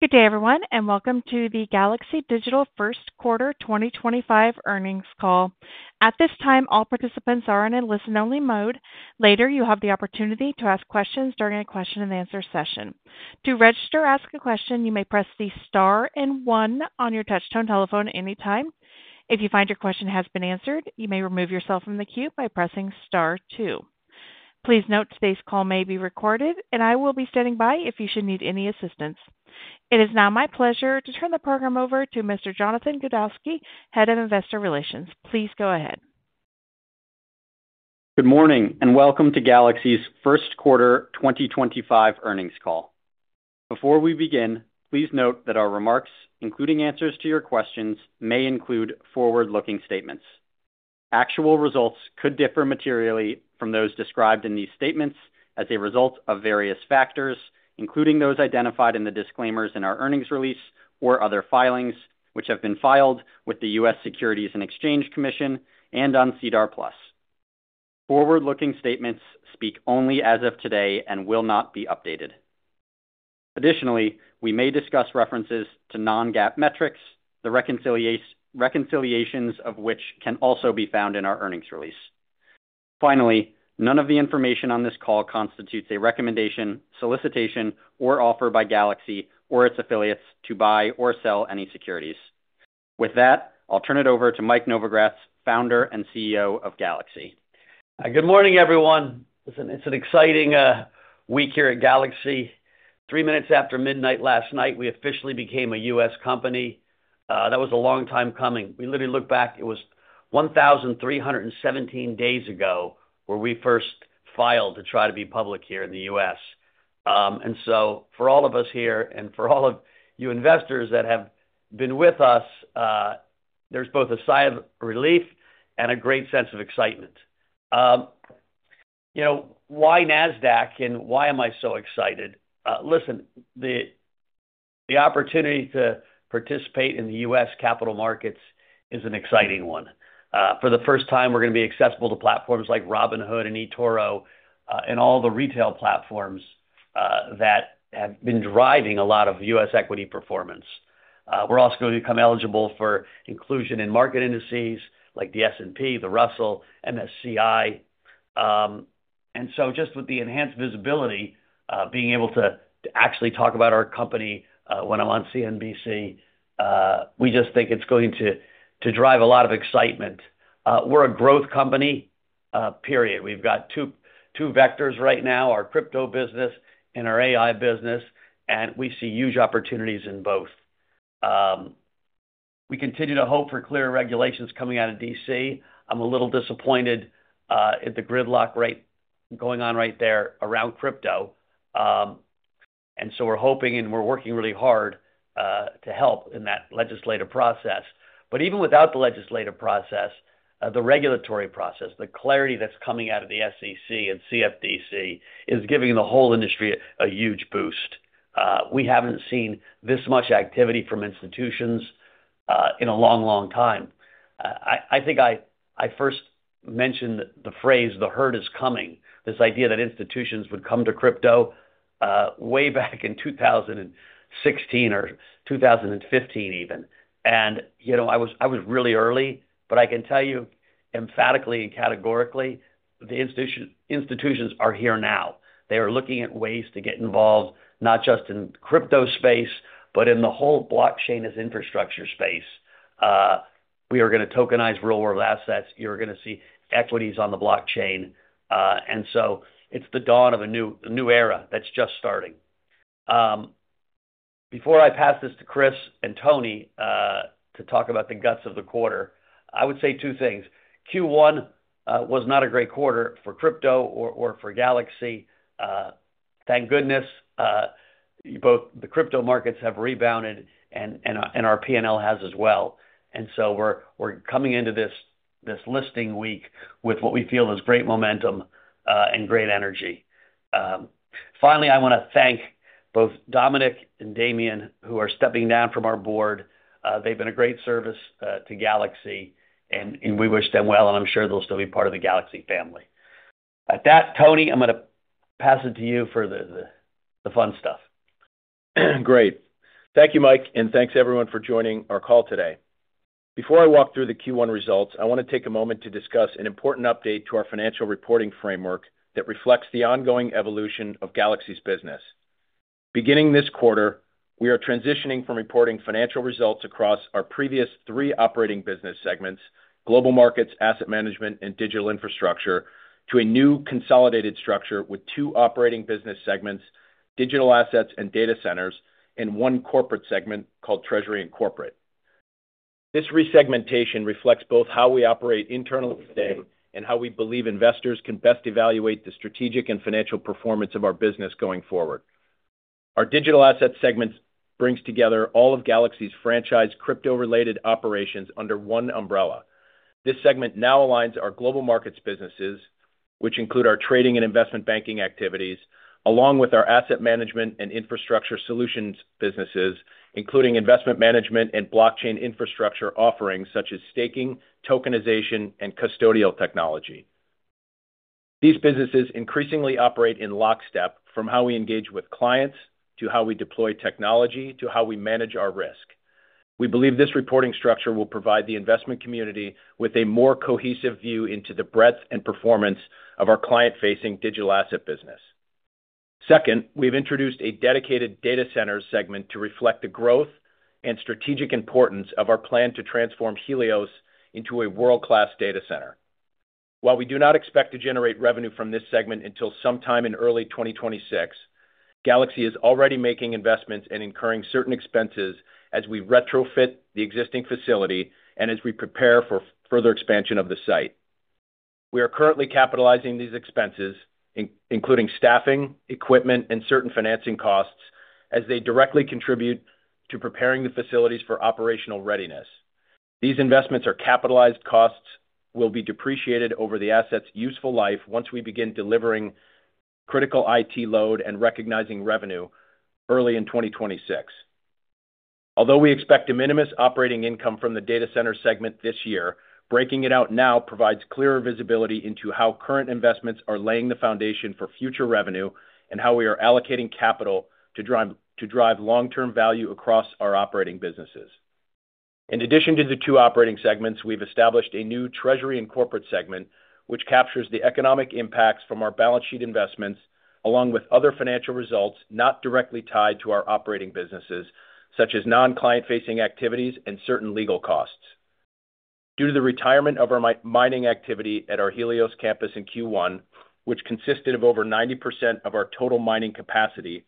Good day, everyone, and welcome to the Galaxy Digital First Quarter 2025 earnings call. At this time, all participants are in a listen-only mode. Later, you'll have the opportunity to ask questions during a question-and-answer session. To register to ask a question, you may press the star and one on your touch-tone telephone at any time. If you find your question has been answered, you may remove yourself from the queue by pressing star two. Please note today's call may be recorded, and I will be standing by if you should need any assistance. It is now my pleasure to turn the program over to Mr. Jonathan Godowski, Head of Investor Relations. Please go ahead. Good morning and welcome to Galaxy's First Quarter 2025 earnings call. Before we begin, please note that our remarks, including answers to your questions, may include forward-looking statements. Actual results could differ materially from those described in these statements as a result of various factors, including those identified in the disclaimers in our earnings release or other filings which have been filed with the U.S. Securities and Exchange Commission and on CEDAR Plus. Forward-looking statements speak only as of today and will not be updated. Additionally, we may discuss references to non-GAAP metrics, the reconciliations of which can also be found in our earnings release. Finally, none of the information on this call constitutes a recommendation, solicitation, or offer by Galaxy or its affiliates to buy or sell any securities. With that, I'll turn it over to Mike Novogratz, Founder and CEO of Galaxy. Good morning, everyone. It's an exciting week here at Galaxy. Three minutes after midnight last night, we officially became a U.S. company. That was a long time coming. We literally look back; it was 1,317 days ago where we first filed to try to be public here in the U.S. For all of us here and for all of you investors that have been with us, there's both a sigh of relief and a great sense of excitement. Why NASDAQ and why am I so excited? Listen, the opportunity to participate in the U.S. capital markets is an exciting one. For the first time, we're going to be accessible to platforms like Robinhood and eToro and all the retail platforms that have been driving a lot of U.S. equity performance. We're also going to become eligible for inclusion in market indices like the S&P, the Russell, MSCI. Just with the enhanced visibility, being able to actually talk about our company when I'm on CNBC, we just think it's going to drive a lot of excitement. We're a growth company, period. We've got two vectors right now: our crypto business and our AI business, and we see huge opportunities in both. We continue to hope for clear regulations coming out of D.C. I'm a little disappointed at the gridlock going on right there around crypto. We're hoping and we're working really hard to help in that legislative process. Even without the legislative process, the regulatory process, the clarity that's coming out of the SEC and CFTC is giving the whole industry a huge boost. We haven't seen this much activity from institutions in a long, long time. I think I first mentioned the phrase, "The herd is coming," this idea that institutions would come to crypto way back in 2016 or 2015 even. I was really early, but I can tell you emphatically and categorically, the institutions are here now. They are looking at ways to get involved not just in the crypto space, but in the whole blockchain as infrastructure space. We are going to tokenize real-world assets. You're going to see equities on the blockchain. It is the dawn of a new era that is just starting. Before I pass this to Chris and Tony to talk about the guts of the quarter, I would say two things. Q1 was not a great quarter for crypto or for Galaxy. Thank goodness both the crypto markets have rebounded and our P&L has as well. We're coming into this listing week with what we feel is great momentum and great energy. Finally, I want to thank both Dominic and Damien, who are stepping down from our board. They've been a great service to Galaxy, and we wish them well, and I'm sure they'll still be part of the Galaxy family. At that, Tony, I'm going to pass it to you for the fun stuff. Great. Thank you, Mike, and thanks, everyone, for joining our call today. Before I walk through the Q1 results, I want to take a moment to discuss an important update to our financial reporting framework that reflects the ongoing evolution of Galaxy's business. Beginning this quarter, we are transitioning from reporting financial results across our previous three operating business segments: global markets, asset management, and digital infrastructure to a new consolidated structure with two operating business segments, digital assets and data centers, and one corporate segment called treasury and corporate. This resegmentation reflects both how we operate internally today and how we believe investors can best evaluate the strategic and financial performance of our business going forward. Our digital assets segment brings together all of Galaxy's franchise crypto-related operations under one umbrella. This segment now aligns our global markets businesses, which include our trading and investment banking activities, along with our asset management and infrastructure solutions businesses, including investment management and blockchain infrastructure offerings such as staking, tokenization, and custodial technology. These businesses increasingly operate in lockstep from how we engage with clients to how we deploy technology to how we manage our risk. We believe this reporting structure will provide the investment community with a more cohesive view into the breadth and performance of our client-facing digital asset business. Second, we have introduced a dedicated data center segment to reflect the growth and strategic importance of our plan to transform Helios into a world-class data center. While we do not expect to generate revenue from this segment until sometime in early 2026, Galaxy is already making investments and incurring certain expenses as we retrofit the existing facility and as we prepare for further expansion of the site. We are currently capitalizing these expenses, including staffing, equipment, and certain financing costs, as they directly contribute to preparing the facilities for operational readiness. These investments are capitalized costs that will be depreciated over the asset's useful life once we begin delivering critical IT load and recognizing revenue early in 2026. Although we expect de minimis operating income from the data center segment this year, breaking it out now provides clearer visibility into how current investments are laying the foundation for future revenue and how we are allocating capital to drive long-term value across our operating businesses. In addition to the two operating segments, we've established a new treasury and corporate segment, which captures the economic impacts from our balance sheet investments, along with other financial results not directly tied to our operating businesses, such as non-client-facing activities and certain legal costs. Due to the retirement of our mining activity at our Helios campus in Q1, which consisted of over 90% of our total mining capacity,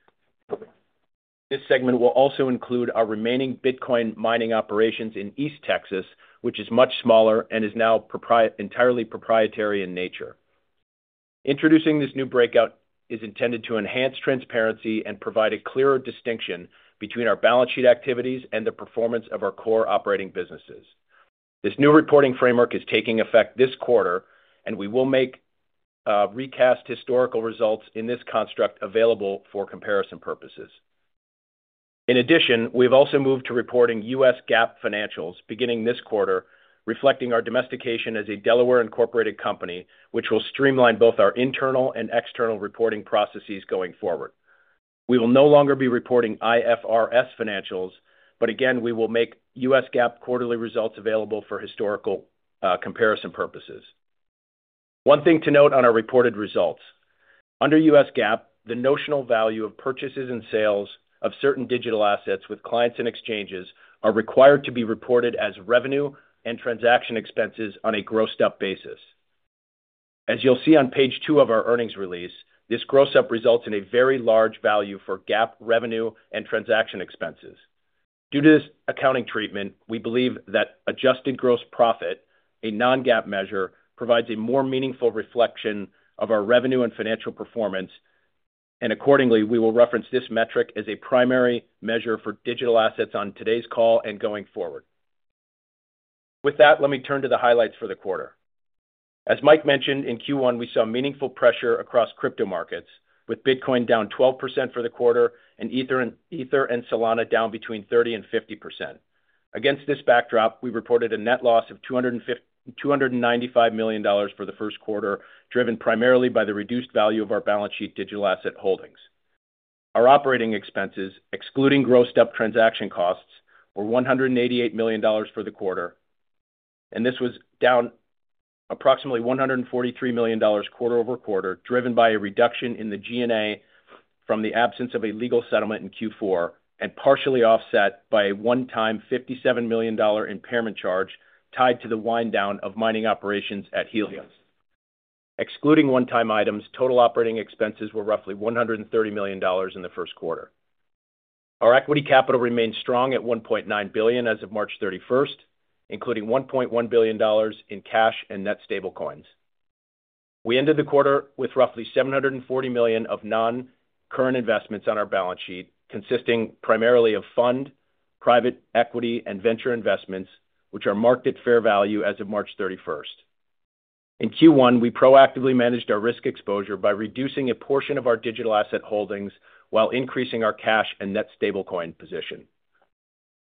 this segment will also include our remaining Bitcoin mining operations in East Texas, which is much smaller and is now entirely proprietary in nature. Introducing this new breakout is intended to enhance transparency and provide a clearer distinction between our balance sheet activities and the performance of our core operating businesses. This new reporting framework is taking effect this quarter, and we will recast historical results in this construct available for comparison purposes. In addition, we've also moved to reporting U.S. GAAP financials beginning this quarter, reflecting our domestication as a Delaware-incorporated company, which will streamline both our internal and external reporting processes going forward. We will no longer be reporting IFRS financials, but again, we will make U.S. GAAP quarterly results available for historical comparison purposes. One thing to note on our reported results: under U.S. GAAP, the notional value of purchases and sales of certain digital assets with clients and exchanges is required to be reported as revenue and transaction expenses on a grossed-up basis. As you'll see on page two of our earnings release, this gross-up results in a very large value for GAAP revenue and transaction expenses. Due to this accounting treatment, we believe that adjusted gross profit, a non-GAAP measure, provides a more meaningful reflection of our revenue and financial performance, and accordingly, we will reference this metric as a primary measure for digital assets on today's call and going forward. With that, let me turn to the highlights for the quarter. As Mike mentioned, in Q1, we saw meaningful pressure across crypto markets, with Bitcoin down 12% for the quarter and Ether and Solana down between 30% and 50%. Against this backdrop, we reported a net loss of $295 million for the first quarter, driven primarily by the reduced value of our balance sheet digital asset holdings. Our operating expenses, excluding grossed-up transaction costs, were $188 million for the quarter, and this was down approximately $143 million quarter over quarter, driven by a reduction in the G&A from the absence of a legal settlement in Q4 and partially offset by a one-time $57 million impairment charge tied to the wind-down of mining operations at Helios. Excluding one-time items, total operating expenses were roughly $130 million in the first quarter. Our equity capital remained strong at $1.9 billion as of March 31, including $1.1 billion in cash and net stablecoins. We ended the quarter with roughly $740 million of non-current investments on our balance sheet, consisting primarily of fund, private equity, and venture investments, which are marked at fair value as of March 31. In Q1, we proactively managed our risk exposure by reducing a portion of our digital asset holdings while increasing our cash and net stablecoin position.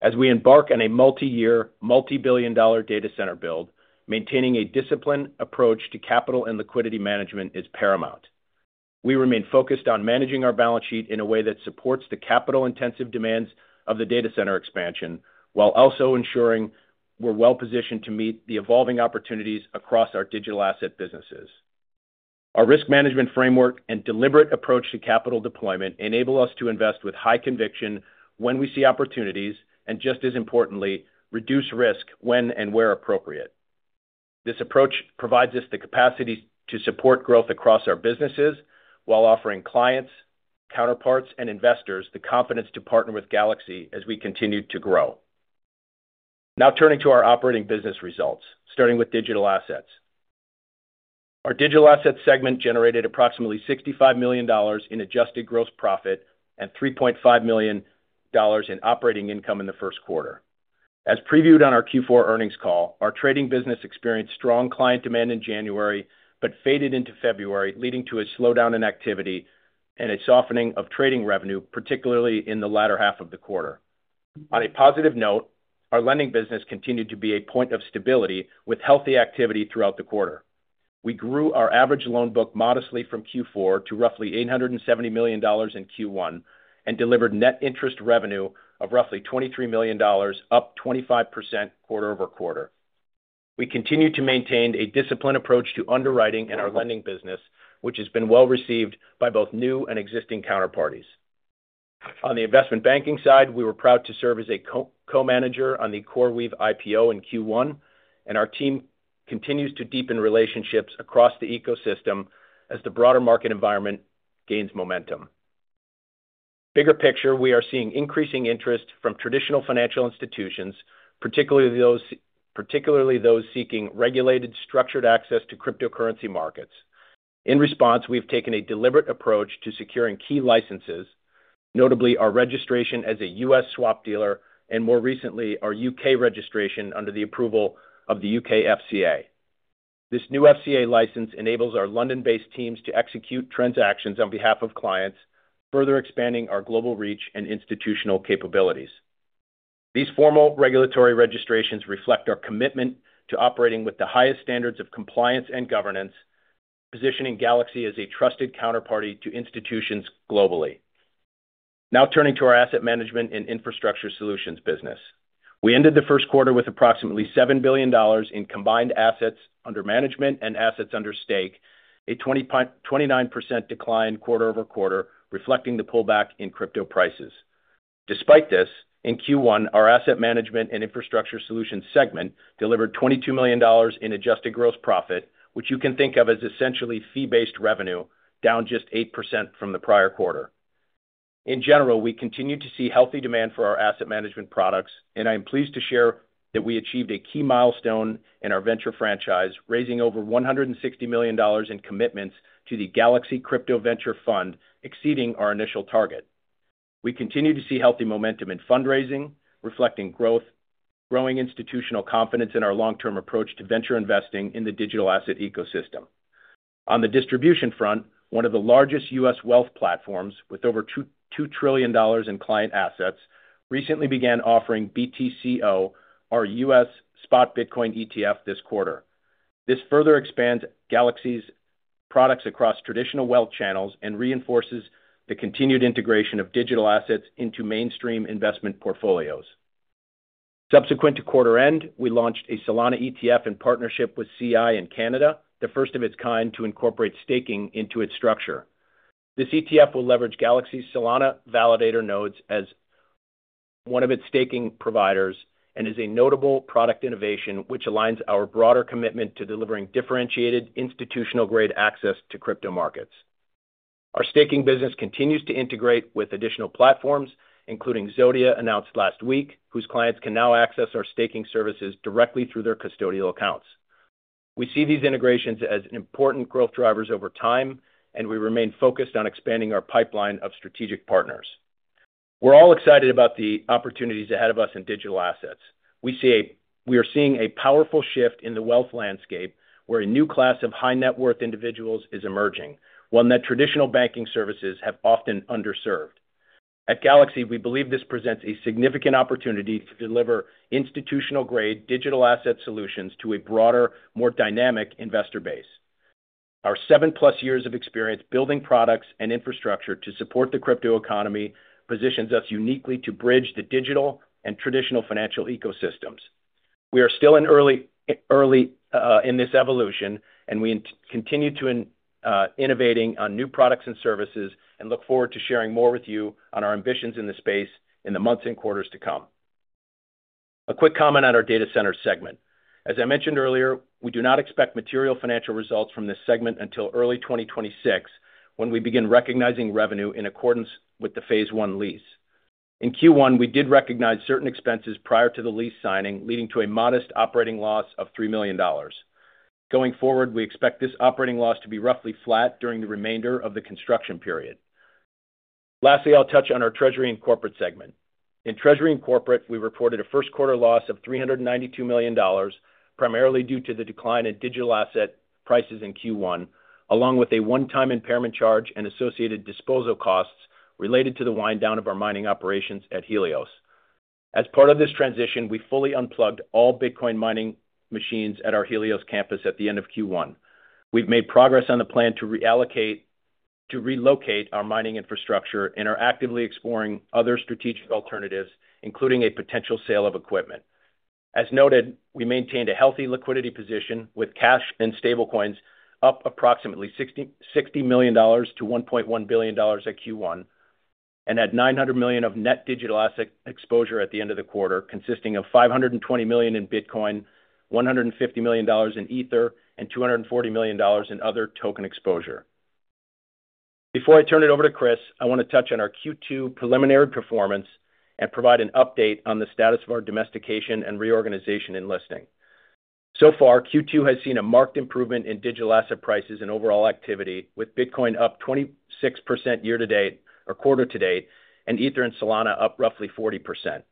As we embark on a multi-year, multi-billion dollar data center build, maintaining a disciplined approach to capital and liquidity management is paramount. We remain focused on managing our balance sheet in a way that supports the capital-intensive demands of the data center expansion while also ensuring we're well-positioned to meet the evolving opportunities across our digital asset businesses. Our risk management framework and deliberate approach to capital deployment enable us to invest with high conviction when we see opportunities and, just as importantly, reduce risk when and where appropriate. This approach provides us the capacity to support growth across our businesses while offering clients, counterparts, and investors the confidence to partner with Galaxy as we continue to grow. Now, turning to our operating business results, starting with digital assets. Our digital assets segment generated approximately $65 million in adjusted gross profit and $3.5 million in operating income in the first quarter. As previewed on our Q4 earnings call, our trading business experienced strong client demand in January but faded into February, leading to a slowdown in activity and a softening of trading revenue, particularly in the latter half of the quarter. On a positive note, our lending business continued to be a point of stability with healthy activity throughout the quarter. We grew our average loan book modestly from Q4 to roughly $870 million in Q1 and delivered net interest revenue of roughly $23 million, up 25% quarter over quarter. We continued to maintain a disciplined approach to underwriting in our lending business, which has been well received by both new and existing counterparties. On the investment banking side, we were proud to serve as a co-manager on the CoreWeave IPO in Q1, and our team continues to deepen relationships across the ecosystem as the broader market environment gains momentum. Bigger picture, we are seeing increasing interest from traditional financial institutions, particularly those seeking regulated, structured access to cryptocurrency markets. In response, we've taken a deliberate approach to securing key licenses, notably our registration as a U.S. swap dealer and, more recently, our U.K. registration under the approval of the U.K. FCA. This new FCA license enables our London-based teams to execute transactions on behalf of clients, further expanding our global reach and institutional capabilities. These formal regulatory registrations reflect our commitment to operating with the highest standards of compliance and governance, positioning Galaxy as a trusted counterparty to institutions globally. Now, turning to our asset management and infrastructure solutions business. We ended the first quarter with approximately $7 billion in combined assets under management and assets under stake, a 29% decline quarter over quarter, reflecting the pullback in crypto prices. Despite this, in Q1, our asset management and infrastructure solutions segment delivered $22 million in adjusted gross profit, which you can think of as essentially fee-based revenue, down just 8% from the prior quarter. In general, we continue to see healthy demand for our asset management products, and I am pleased to share that we achieved a key milestone in our venture franchise, raising over $160 million in commitments to the Galaxy Crypto Venture Fund, exceeding our initial target. We continue to see healthy momentum in fundraising, reflecting growing institutional confidence in our long-term approach to venture investing in the digital asset ecosystem. On the distribution front, one of the largest U.S. Wealth platforms, with over $2 trillion in client assets, recently began offering BTCO, our U.S. spot Bitcoin ETF, this quarter. This further expands Galaxy's products across traditional wealth channels and reinforces the continued integration of digital assets into mainstream investment portfolios. Subsequent to quarter end, we launched a Solana ETF in partnership with CI in Canada, the first of its kind to incorporate staking into its structure. This ETF will leverage Galaxy's Solana validator nodes as one of its staking providers and is a notable product innovation which aligns our broader commitment to delivering differentiated, institutional-grade access to crypto markets. Our staking business continues to integrate with additional platforms, including Zodia, announced last week, whose clients can now access our staking services directly through their custodial accounts. We see these integrations as important growth drivers over time, and we remain focused on expanding our pipeline of strategic partners. We're all excited about the opportunities ahead of us in digital assets. We are seeing a powerful shift in the wealth landscape where a new class of high-net-worth individuals is emerging, one that traditional banking services have often underserved. At Galaxy, we believe this presents a significant opportunity to deliver institutional-grade digital asset solutions to a broader, more dynamic investor base. Our seven-plus years of experience building products and infrastructure to support the crypto economy positions us uniquely to bridge the digital and traditional financial ecosystems. We are still early in this evolution, and we continue to innovate on new products and services and look forward to sharing more with you on our ambitions in the space in the months and quarters to come. A quick comment on our data center segment. As I mentioned earlier, we do not expect material financial results from this segment until early 2026 when we begin recognizing revenue in accordance with the phase one lease. In Q1, we did recognize certain expenses prior to the lease signing, leading to a modest operating loss of $3 million. Going forward, we expect this operating loss to be roughly flat during the remainder of the construction period. Lastly, I'll touch on our treasury and corporate segment. In treasury and corporate, we reported a first-quarter loss of $392 million, primarily due to the decline in digital asset prices in Q1, along with a one-time impairment charge and associated disposal costs related to the wind-down of our mining operations at Helios. As part of this transition, we fully unplugged all Bitcoin mining machines at our Helios campus at the end of Q1. We've made progress on the plan to relocate our mining infrastructure and are actively exploring other strategic alternatives, including a potential sale of equipment. As noted, we maintained a healthy liquidity position with cash and stablecoins up approximately $60 million to $1.1 billion at Q1 and had $900 million of net digital asset exposure at the end of the quarter, consisting of $520 million in Bitcoin, $150 million in Ether, and $240 million in other token exposure. Before I turn it over to Chris, I want to touch on our Q2 preliminary performance and provide an update on the status of our domestication and reorganization in listing. So far, Q2 has seen a marked improvement in digital asset prices and overall activity, with Bitcoin up 26% year-to-date or quarter-to-date and Ether and Solana up roughly 40%.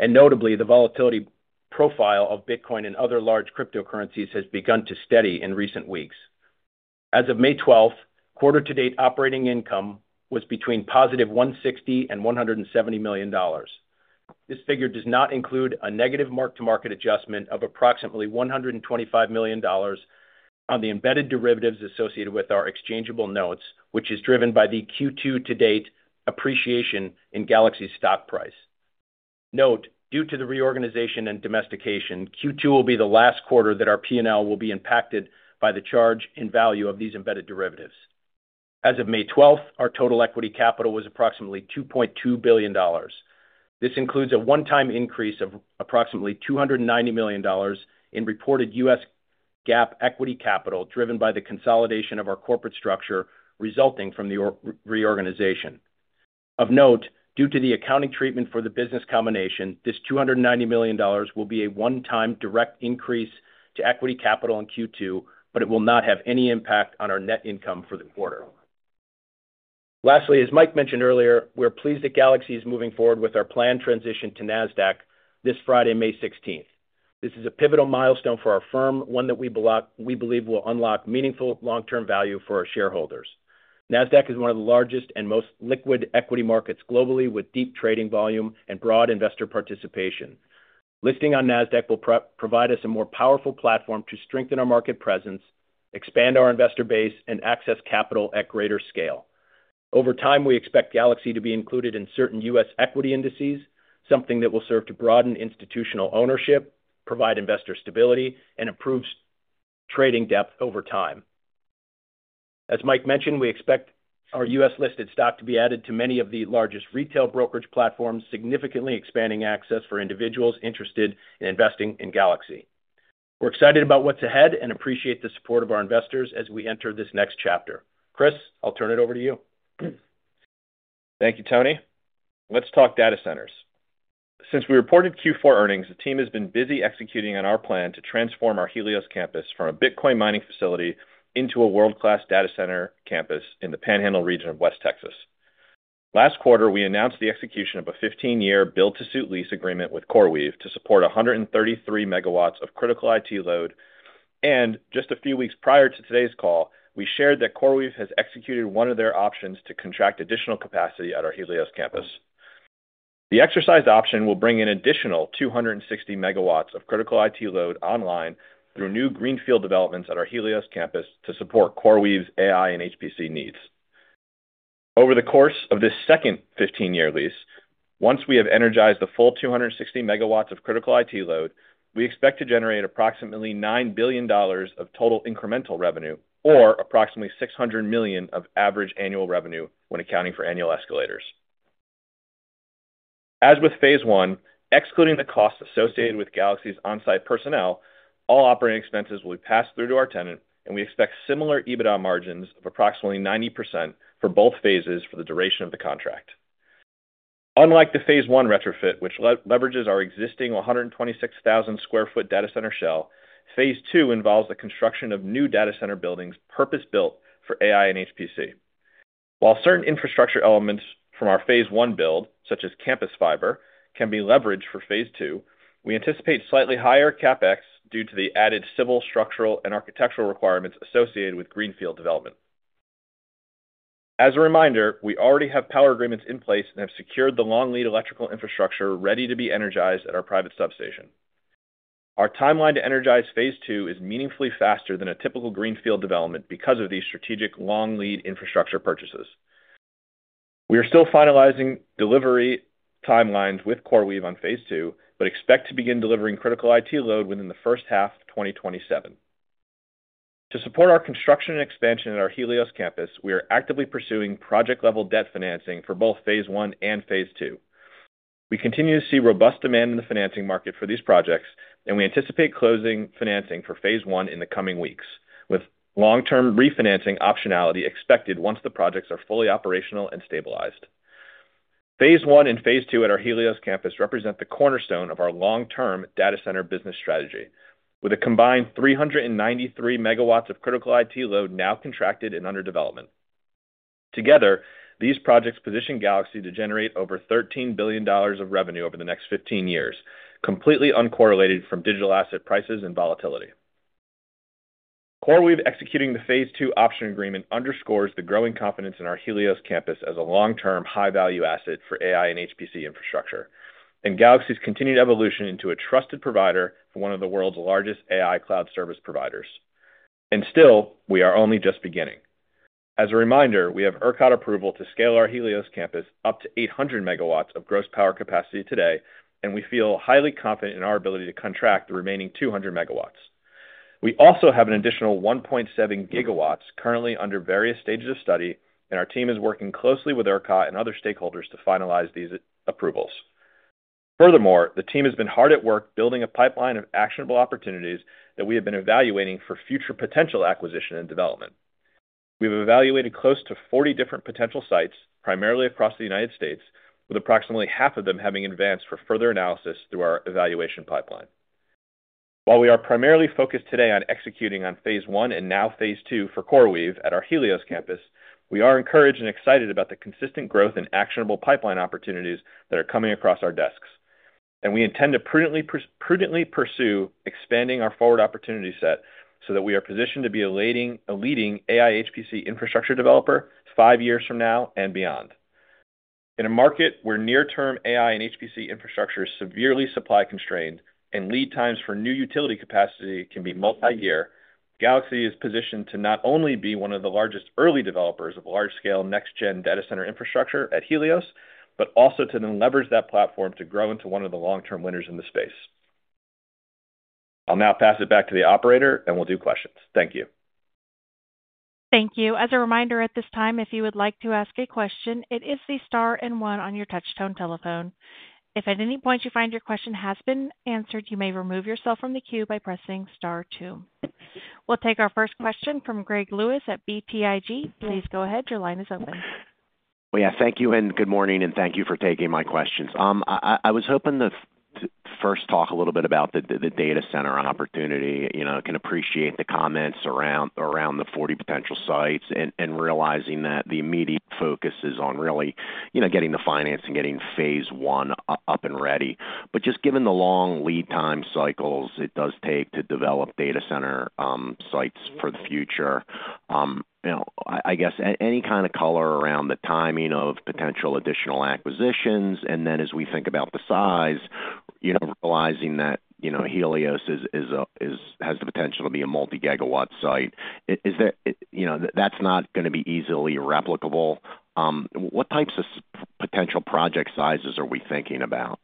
Notably, the volatility profile of Bitcoin and other large cryptocurrencies has begun to steady in recent weeks. As of May 12th, quarter-to-date operating income was between positive $160 million and $170 million. This figure does not include a negative mark-to-market adjustment of approximately $125 million on the embedded derivatives associated with our exchangeable notes, which is driven by the Q2-to-date appreciation in Galaxy's stock price. Note, due to the reorganization and domestication, Q2 will be the last quarter that our P&L will be impacted by the charge in value of these embedded derivatives. As of May 12th, our total equity capital was approximately $2.2 billion. This includes a one-time increase of approximately $290 million in reported U.S. GAAP equity capital, driven by the consolidation of our corporate structure resulting from the reorganization. Of note, due to the accounting treatment for the business combination, this $290 million will be a one-time direct increase to equity capital in Q2, but it will not have any impact on our net income for the quarter. Lastly, as Mike mentioned earlier, we're pleased that Galaxy is moving forward with our planned transition to NASDAQ this Friday, May 16. This is a pivotal milestone for our firm, one that we believe will unlock meaningful long-term value for our shareholders. NASDAQ is one of the largest and most liquid equity markets globally, with deep trading volume and broad investor participation. Listing on NASDAQ will provide us a more powerful platform to strengthen our market presence, expand our investor base, and access capital at greater scale. Over time, we expect Galaxy to be included in certain U.S. Equity indices, something that will serve to broaden institutional ownership, provide investor stability, and improve trading depth over time. As Mike mentioned, we expect our U.S.-listed stock to be added to many of the largest retail brokerage platforms, significantly expanding access for individuals interested in investing in Galaxy. We're excited about what's ahead and appreciate the support of our investors as we enter this next chapter. Chris, I'll turn it over to you. Thank you, Tony. Let's talk data centers. Since we reported Q4 earnings, the team has been busy executing on our plan to transform our Helios campus from a Bitcoin mining facility into a world-class data center campus in the Panhandle region of West Texas. Last quarter, we announced the execution of a 15-year build-to-suit lease agreement with CoreWeave to support 133 megawatts of critical IT load. Just a few weeks prior to today's call, we shared that CoreWeave has executed one of their options to contract additional capacity at our Helios campus. The exercised option will bring in an additional 260 megawatts of critical IT load online through new greenfield developments at our Helios campus to support CoreWeave's AI and HPC needs. Over the course of this second 15-year lease, once we have energized the full 260 megawatts of critical IT load, we expect to generate approximately $9 billion of total incremental revenue or approximately $600 million of average annual revenue when accounting for annual escalators. As with phase one, excluding the costs associated with Galaxy's on-site personnel, all operating expenses will be passed through to our tenant, and we expect similar EBITDA margins of approximately 90% for both phases for the duration of the contract. Unlike the phase one retrofit, which leverages our existing 126,000 sq ft data center shell, phase two involves the construction of new data center buildings purpose-built for AI and HPC. While certain infrastructure elements from our phase one build, such as campus fiber, can be leveraged for phase two, we anticipate slightly higher CapEx due to the added civil, structural, and architectural requirements associated with greenfield development. As a reminder, we already have power agreements in place and have secured the long-lead electrical infrastructure ready to be energized at our private substation. Our timeline to energize phase two is meaningfully faster than a typical greenfield development because of these strategic long-lead infrastructure purchases. We are still finalizing delivery timelines with CoreWeave on phase two, but expect to begin delivering critical IT load within the first half of 2027. To support our construction and expansion at our Helios campus, we are actively pursuing project-level debt financing for both phase one and phase two. We continue to see robust demand in the financing market for these projects, and we anticipate closing financing for phase one in the coming weeks, with long-term refinancing optionality expected once the projects are fully operational and stabilized. Phase one and phase two at our Helios campus represent the cornerstone of our long-term data center business strategy, with a combined 393 megawatts of critical IT load now contracted and under development. Together, these projects position Galaxy to generate over $13 billion of revenue over the next 15 years, completely uncorrelated from digital asset prices and volatility. CoreWeave executing the phase two option agreement underscores the growing confidence in our Helios campus as a long-term high-value asset for AI and HPC infrastructure and Galaxy's continued evolution into a trusted provider for one of the world's largest AI cloud service providers. We are only just beginning. As a reminder, we have ERCOT approval to scale our Helios campus up to 800 megawatts of gross power capacity today, and we feel highly confident in our ability to contract the remaining 200 megawatts. We also have an additional 1.7 gigawatts currently under various stages of study, and our team is working closely with ERCOT and other stakeholders to finalize these approvals. Furthermore, the team has been hard at work building a pipeline of actionable opportunities that we have been evaluating for future potential acquisition and development. We have evaluated close to 40 different potential sites, primarily across the U.S., with approximately half of them having advanced for further analysis through our evaluation pipeline. While we are primarily focused today on executing on phase one and now phase two for CoreWeave at our Helios campus, we are encouraged and excited about the consistent growth and actionable pipeline opportunities that are coming across our desks. We intend to prudently pursue expanding our forward opportunity set so that we are positioned to be a leading AI/HPC infrastructure developer five years from now and beyond. In a market where near-term AI and HPC infrastructure is severely supply constrained and lead times for new utility capacity can be multi-year, Galaxy is positioned to not only be one of the largest early developers of large-scale next-gen data center infrastructure at Helios, but also to then leverage that platform to grow into one of the long-term winners in the space. I'll now pass it back to the operator, and we'll do questions. Thank you. Thank you. As a reminder, at this time, if you would like to ask a question, it is the star and one on your touchstone telephone. If at any point you find your question has been answered, you may remove yourself from the queue by pressing star two. We'll take our first question from Greg Lewis at BTIG. Please go ahead. Your line is open. Yeah, thank you and good morning, and thank you for taking my questions. I was hoping to first talk a little bit about the data center opportunity. I can appreciate the comments around the 40 potential sites and realizing that the immediate focus is on really getting the financing, getting phase one up and ready. Just given the long lead time cycles it does take to develop data center sites for the future, I guess any kind of color around the timing of potential additional acquisitions. As we think about the size, realizing that Helios has the potential to be a multi-gigawatt site, that's not going to be easily replicable. What types of potential project sizes are we thinking about?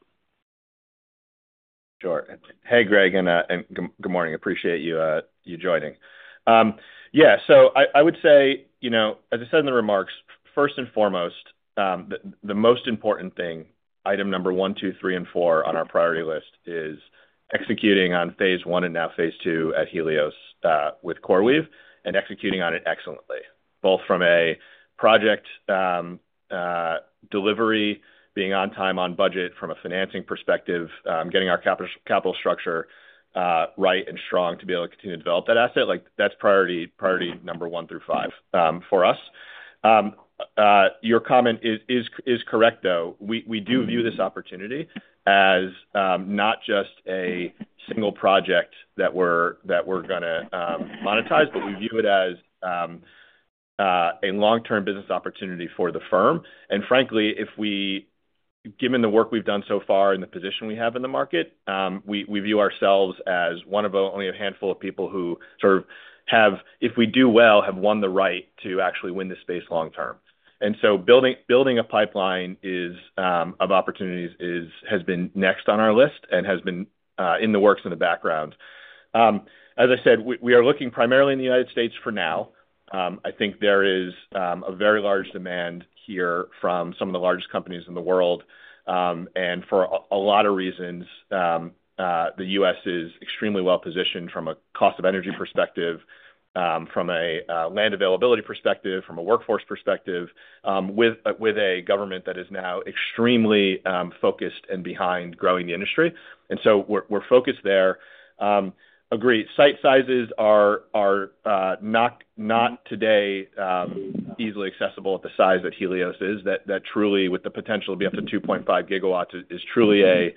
Sure. Hey, Greg, and good morning. Appreciate you joining. Yeah. I would say, as I said in the remarks, first and foremost, the most important thing, item number one, two, three, and four on our priority list is executing on phase one and now phase two at Helios with CoreWeave and executing on it excellently, both from a project delivery, being on time on budget from a financing perspective, getting our capital structure right and strong to be able to continue to develop that asset. That's priority number one through five for us. Your comment is correct, though. We do view this opportunity as not just a single project that we're going to monetize, but we view it as a long-term business opportunity for the firm. Frankly, given the work we've done so far and the position we have in the market, we view ourselves as one of only a handful of people who sort of have, if we do well, have won the right to actually win this space long-term. Building a pipeline of opportunities has been next on our list and has been in the works in the background. As I said, we are looking primarily in the U.S. for now. I think there is a very large demand here from some of the largest companies in the world. For a lot of reasons, the U.S. is extremely well-positioned from a cost of energy perspective, from a land availability perspective, from a workforce perspective, with a government that is now extremely focused and behind growing the industry. We're focused there. Agreed. Site sizes are not today easily accessible at the size that Helios is, that truly, with the potential to be up to 2.5 gigawatts, is truly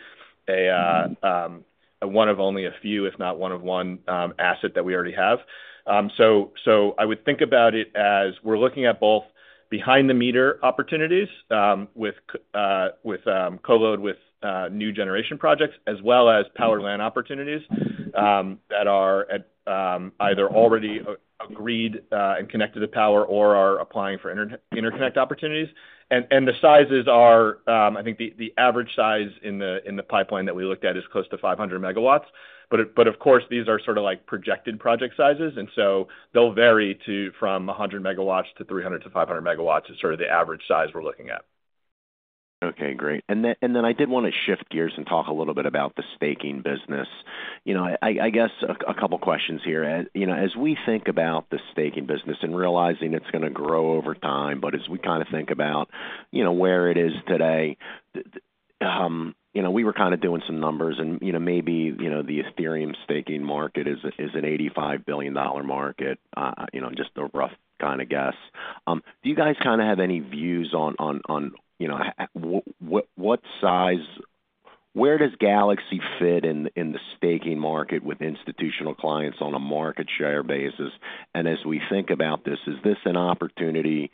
one of only a few, if not one of one asset that we already have. I would think about it as we're looking at both behind-the-meter opportunities with co-load with new generation projects, as well as power land opportunities that are either already agreed and connected to power or are applying for interconnect opportunities. The sizes are, I think the average size in the pipeline that we looked at is close to 500 megawatts. Of course, these are sort of projected project sizes, and so they'll vary from 100 megawatts to 300-500 megawatts is sort of the average size we're looking at. Okay. Great.I did want to shift gears and talk a little bit about the staking business. I guess a couple of questions here. As we think about the staking business and realizing it's going to grow over time, but as we kind of think about where it is today, we were kind of doing some numbers, and maybe the Ethereum staking market is an $85 billion market, just a rough kind of guess. Do you guys kind of have any views on what size, where does Galaxy fit in the staking market with institutional clients on a market share basis? As we think about this, is this an opportunity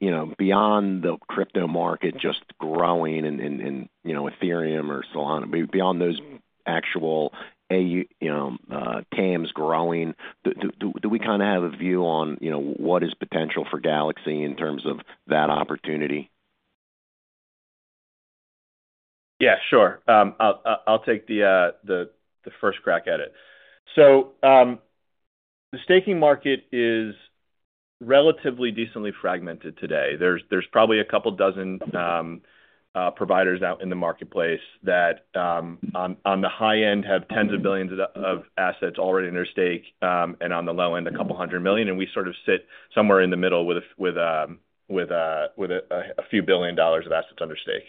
beyond the crypto market just growing in Ethereum or Solana, beyond those actual TAMs growing? Do we kind of have a view on what is potential for Galaxy in terms of that opportunity? Yeah, sure. I'll take the first crack at it. The staking market is relatively decently fragmented today. There are probably a couple of dozen providers out in the marketplace that on the high end have tens of billions of assets already under stake and on the low end, a couple of hundred million. We sort of sit somewhere in the middle with a few billion dollars of assets under stake.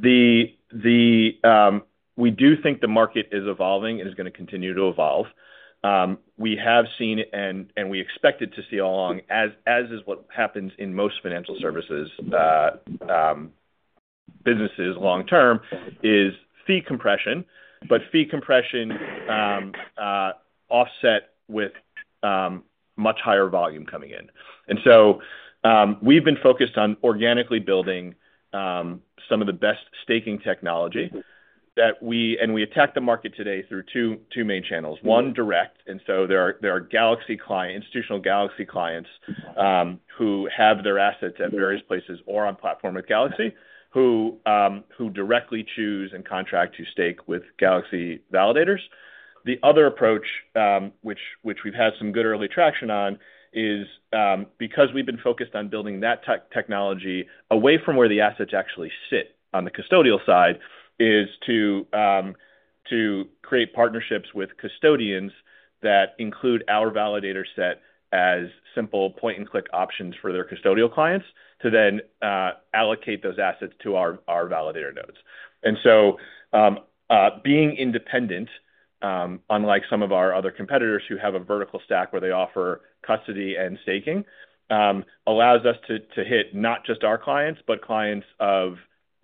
We do think the market is evolving and is going to continue to evolve. We have seen, and we expected to see all along, as is what happens in most financial services businesses long-term, fee compression, but fee compression offset with much higher volume coming in. We have been focused on organically building some of the best staking technology, and we attack the market today through two main channels. One, direct. There are institutional Galaxy clients who have their assets at various places or on platform with Galaxy who directly choose and contract to stake with Galaxy validators. The other approach, which we've had some good early traction on, is because we've been focused on building that technology away from where the assets actually sit on the custodial side, is to create partnerships with custodians that include our validator set as simple point-and-click options for their custodial clients to then allocate those assets to our validator nodes. Being independent, unlike some of our other competitors who have a vertical stack where they offer custody and staking, allows us to hit not just our clients, but clients of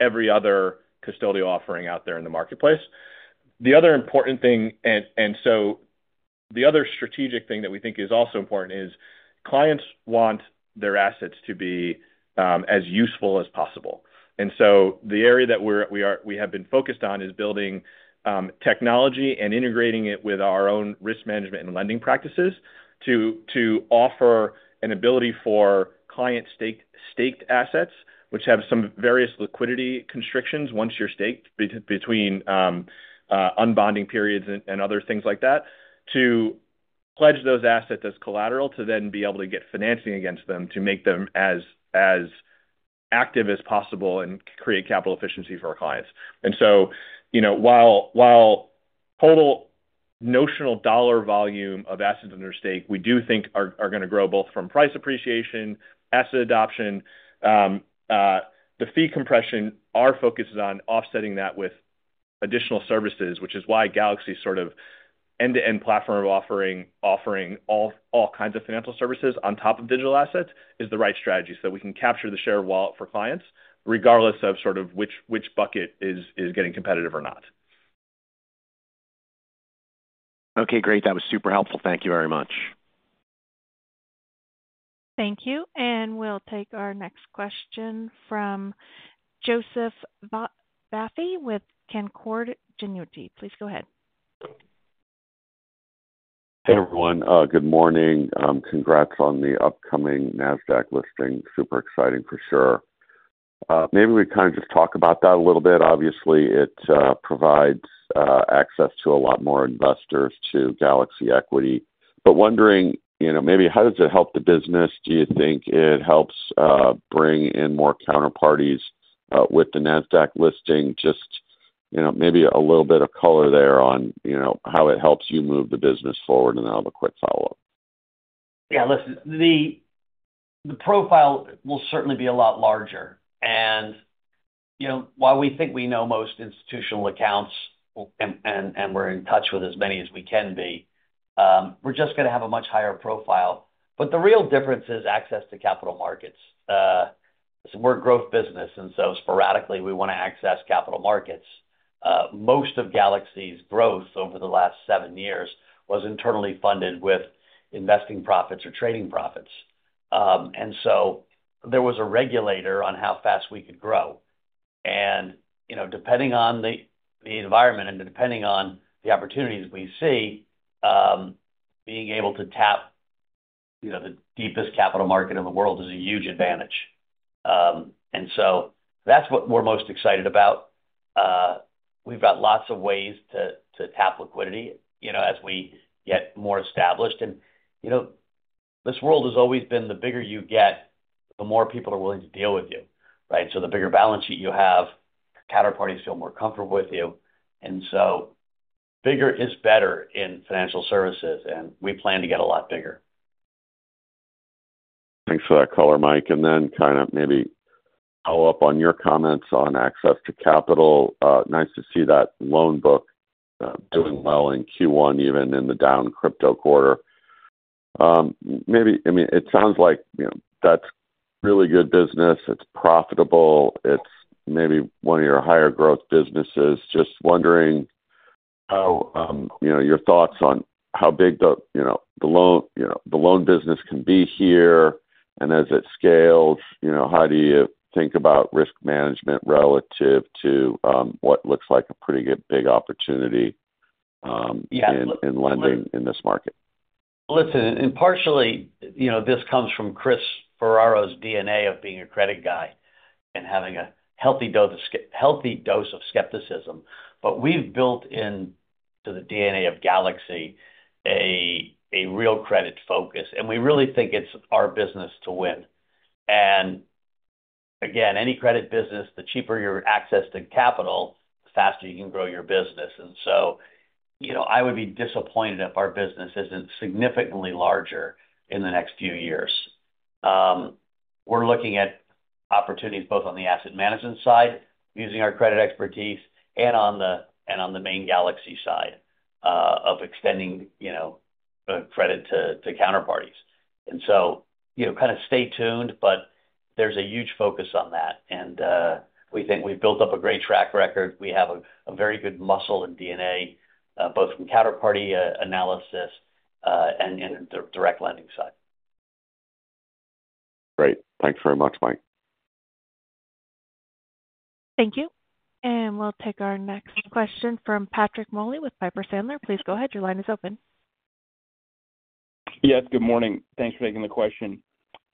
every other custodial offering out there in the marketplace. The other important thing, the other strategic thing that we think is also important is clients want their assets to be as useful as possible. The area that we have been focused on is building technology and integrating it with our own risk management and lending practices to offer an ability for client-staked assets, which have some various liquidity constrictions once you're staked between unbonding periods and other things like that, to pledge those assets as collateral to then be able to get financing against them to make them as active as possible and create capital efficiency for our clients. While total notional dollar volume of assets under stake, we do think are going to grow both from price appreciation, asset adoption. The fee compression, our focus is on offsetting that with additional services, which is why Galaxy's sort of end-to-end platform offering all kinds of financial services on top of digital assets is the right strategy so that we can capture the share of wallet for clients, regardless of sort of which bucket is getting competitive or not. Okay. Great. That was super helpful. Thank you very much. Thank you. And we'll take our next question from Joseph Vafi with KenCorp. Genuti. Please go ahead. Hey, everyone. Good morning. Congrats on the upcoming Nasdaq listing. Super exciting for sure. Maybe we kind of just talk about that a little bit. Obviously, it provides access to a lot more investors to Galaxy equity. But wondering maybe how does it help the business? Do you think it helps bring in more counterparties with the Nasdaq listing? Just maybe a little bit of color there on how it helps you move the business forward. And then I'll have a quick follow-up. Yeah. Listen, the profile will certainly be a lot larger. While we think we know most institutional accounts and we're in touch with as many as we can be, we're just going to have a much higher profile. The real difference is access to capital markets. We're a growth business, and so sporadically we want to access capital markets. Most of Galaxy's growth over the last seven years was internally funded with investing profits or trading profits. There was a regulator on how fast we could grow. Depending on the environment and depending on the opportunities we see, being able to tap the deepest capital market in the world is a huge advantage. That's what we're most excited about. We've got lots of ways to tap liquidity as we get more established. This world has always been the bigger you get, the more people are willing to deal with you, right? The bigger balance sheet you have, counterparties feel more comfortable with you. Bigger is better in financial services, and we plan to get a lot bigger. Thanks for that color, Mike. Maybe follow up on your comments on access to capital. Nice to see that loan book doing well in Q1, even in the down crypto quarter. I mean, it sounds like that's really good business. It's profitable. It's maybe one of your higher growth businesses. Just wondering your thoughts on how big the loan business can be here. As it scales, how do you think about risk management relative to what looks like a pretty big opportunity in lending in this market? Listen, and partially this comes from Chris Ferraro's DNA of being a credit guy and having a healthy dose of skepticism. We have built into the DNA of Galaxy a real credit focus, and we really think it is our business to win. Again, any credit business, the cheaper your access to capital, the faster you can grow your business. I would be disappointed if our business is not significantly larger in the next few years. We are looking at opportunities both on the asset management side using our credit expertise and on the main Galaxy side of extending credit to counterparties. Kind of stay tuned, but there is a huge focus on that. We think we have built up a great track record. We have a very good muscle and DNA both from counterparty analysis and the direct lending side. Great. Thanks very much, Mike. Thank you. We'll take our next question from Patrick Moley with Piper Sandler. Please go ahead. Your line is open. Yes. Good morning. Thanks for taking the question.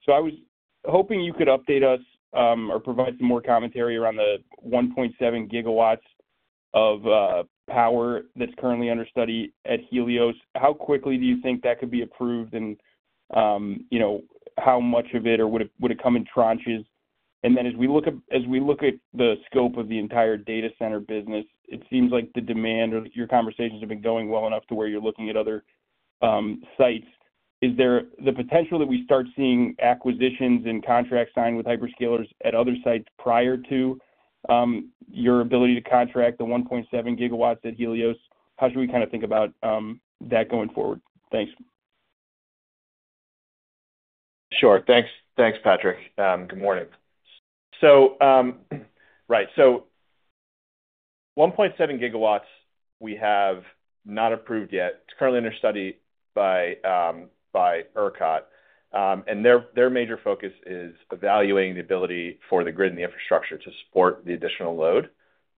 I was hoping you could update us or provide some more commentary around the 1.7 gigawatts of power that's currently under study at Helios. How quickly do you think that could be approved, and how much of it, or would it come in tranches? As we look at the scope of the entire data center business, it seems like the demand or your conversations have been going well enough to where you're looking at other sites. Is there the potential that we start seeing acquisitions and contracts signed with hyperscalers at other sites prior to your ability to contract the 1.7 gigawatts at Helios? How should we kind of think about that going forward? Thanks. Sure. Thanks, Patrick. Good morning. Right. So 1.7 gigawatts we have not approved yet. It is currently under study by ERCOT. Their major focus is evaluating the ability for the grid and the infrastructure to support the additional load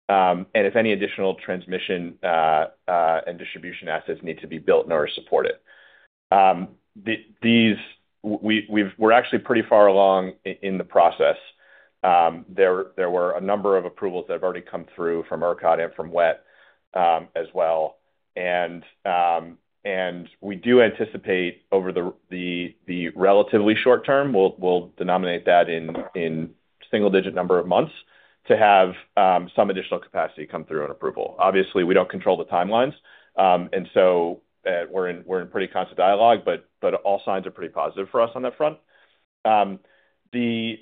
and if any additional transmission and distribution assets need to be built in order to support it. We are actually pretty far along in the process. There were a number of approvals that have already come through from ERCOT and from WETT as well. We do anticipate over the relatively short term, we will denominate that in single-digit number of months, to have some additional capacity come through an approval. Obviously, we do not control the timelines, and so we are in pretty constant dialogue, but all signs are pretty positive for us on that front. To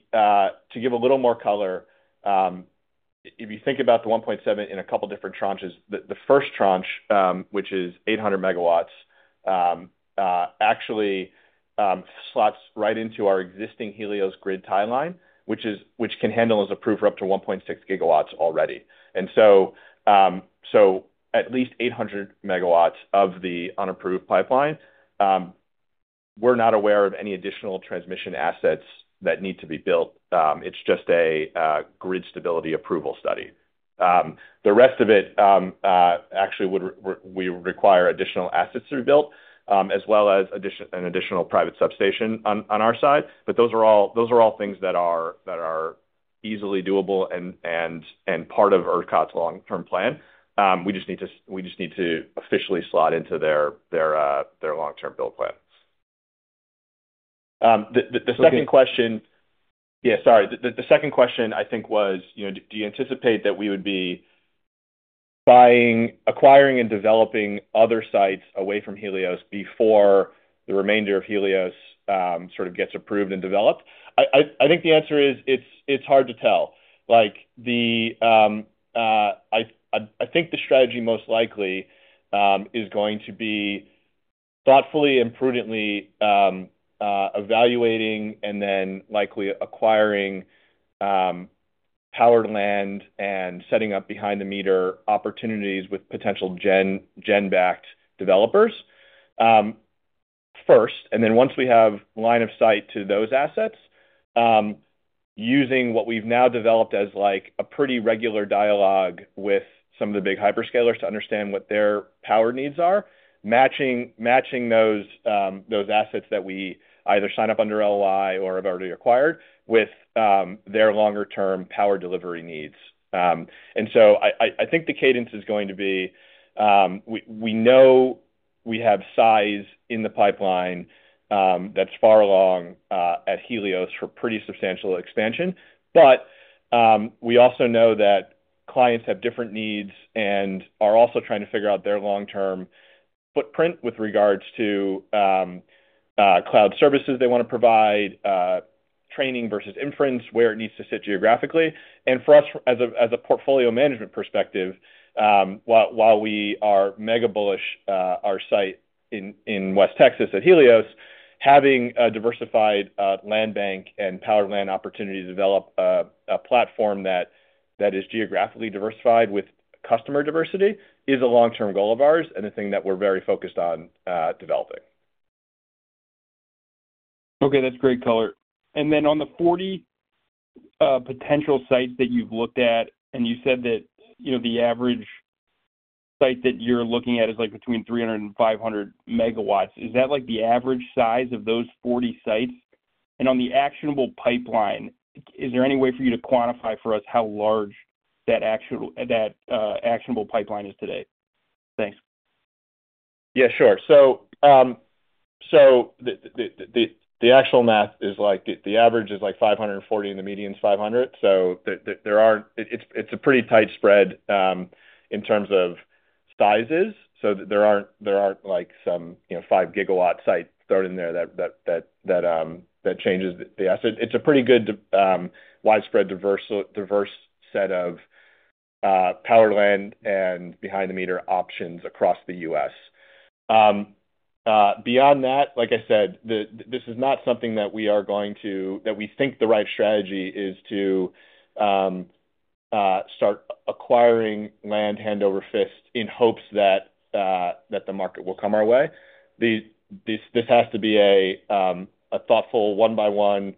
give a little more color, if you think about the 1.7 in a couple of different tranches, the first tranche, which is 800 megawatts, actually slots right into our existing Helios grid tie line, which can handle and is approved for up to 1.6 gigawatts already. At least 800 megawatts of the unapproved pipeline, we are not aware of any additional transmission assets that need to be built. It is just a grid stability approval study. The rest of it, actually, we require additional assets to be built as well as an additional private substation on our side. Those are all things that are easily doable and part of ERCOT's long-term plan. We just need to officially slot into their long-term build plan. The second question, yeah, sorry. The second question, I think, was, do you anticipate that we would be acquiring and developing other sites away from Helios before the remainder of Helios sort of gets approved and developed? I think the answer is it's hard to tell. I think the strategy most likely is going to be thoughtfully and prudently evaluating and then likely acquiring powered land and setting up behind-the-meter opportunities with potential gen-backed developers first. Once we have line of sight to those assets, using what we've now developed as a pretty regular dialogue with some of the big hyperscalers to understand what their power needs are, matching those assets that we either sign up under LOI or have already acquired with their longer-term power delivery needs. I think the cadence is going to be we know we have size in the pipeline that's far along at Helios for pretty substantial expansion. We also know that clients have different needs and are also trying to figure out their long-term footprint with regards to cloud services they want to provide, training versus inference, where it needs to sit geographically. For us, as a portfolio management perspective, while we are mega bullish, our site in West Texas at Helios, having a diversified land bank and powered land opportunity to develop a platform that is geographically diversified with customer diversity is a long-term goal of ours and a thing that we're very focused on developing. Okay. That's great color. On the 40 potential sites that you've looked at, and you said that the average site that you're looking at is between 300 and 500 megawatts, is that the average size of those 40 sites? On the actionable pipeline, is there any way for you to quantify for us how large that actionable pipeline is today? Thanks. Yeah, sure. The actual math is the average is 540 and the median's 500. It's a pretty tight spread in terms of sizes. There aren't some 5-gigawatt site thrown in there that changes the asset. It's a pretty good widespread diverse set of powered land and behind-the-meter options across the U.S. Beyond that, like I said, this is not something that we are going to that we think the right strategy is to start acquiring land hand over fist in hopes that the market will come our way. This has to be a thoughtful one-by-one,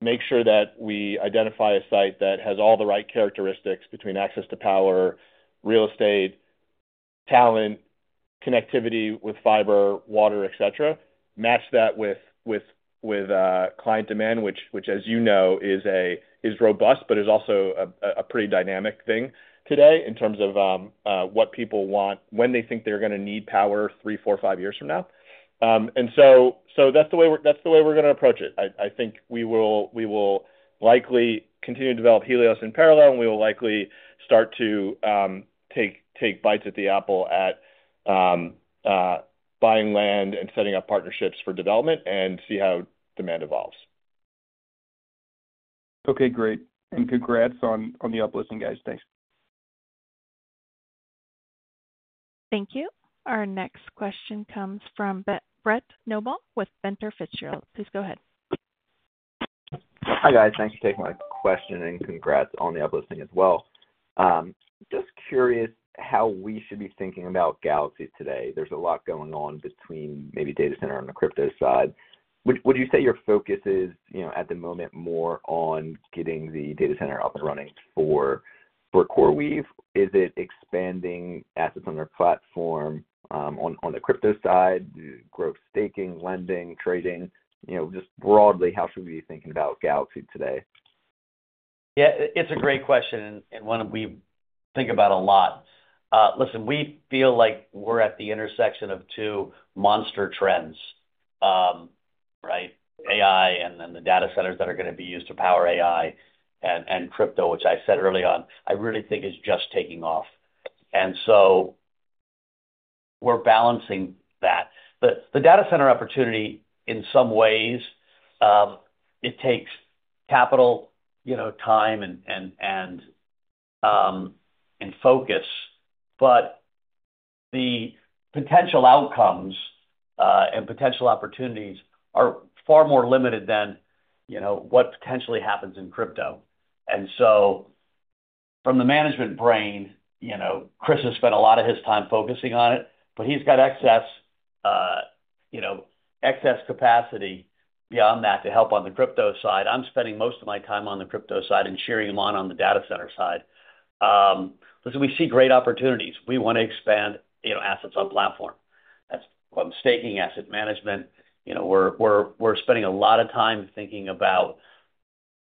make sure that we identify a site that has all the right characteristics between access to power, real estate, talent, connectivity with fiber, water, etc., match that with client demand, which, as you know, is robust, but is also a pretty dynamic thing today in terms of what people want when they think they're going to need power three, four, five years from now. That is the way we're going to approach it. I think we will likely continue to develop Helios in parallel, and we will likely start to take bites at the apple at buying land and setting up partnerships for development and see how demand evolves. Okay. Great. And congrats on the uplifting, guys. Thanks. Thank you. Our next question comes from Brett Novell with Fenter Fitcher. Please go ahead. Hi, guys. Thanks for taking my question and congrats on the uplifting as well. Just curious how we should be thinking about Galaxy today. There's a lot going on between maybe data center on the crypto side. Would you say your focus is at the moment more on getting the data center up and running for CoreWeave? Is it expanding assets on their platform on the crypto side, growth staking, lending, trading? Just broadly, how should we be thinking about Galaxy today? Yeah. It's a great question and one we think about a lot. Listen, we feel like we're at the intersection of two monster trends, right? AI and then the data centers that are going to be used to power AI and crypto, which I said early on, I really think is just taking off. And so we're balancing that. The data center opportunity, in some ways, it takes capital, time, and focus. The potential outcomes and potential opportunities are far more limited than what potentially happens in crypto. From the management brain, Chris has spent a lot of his time focusing on it, but he's got excess capacity beyond that to help on the crypto side. I'm spending most of my time on the crypto side and cheering him on on the data center side. Listen, we see great opportunities. We want to expand assets on platform. That's what I'm staking asset management. We're spending a lot of time thinking about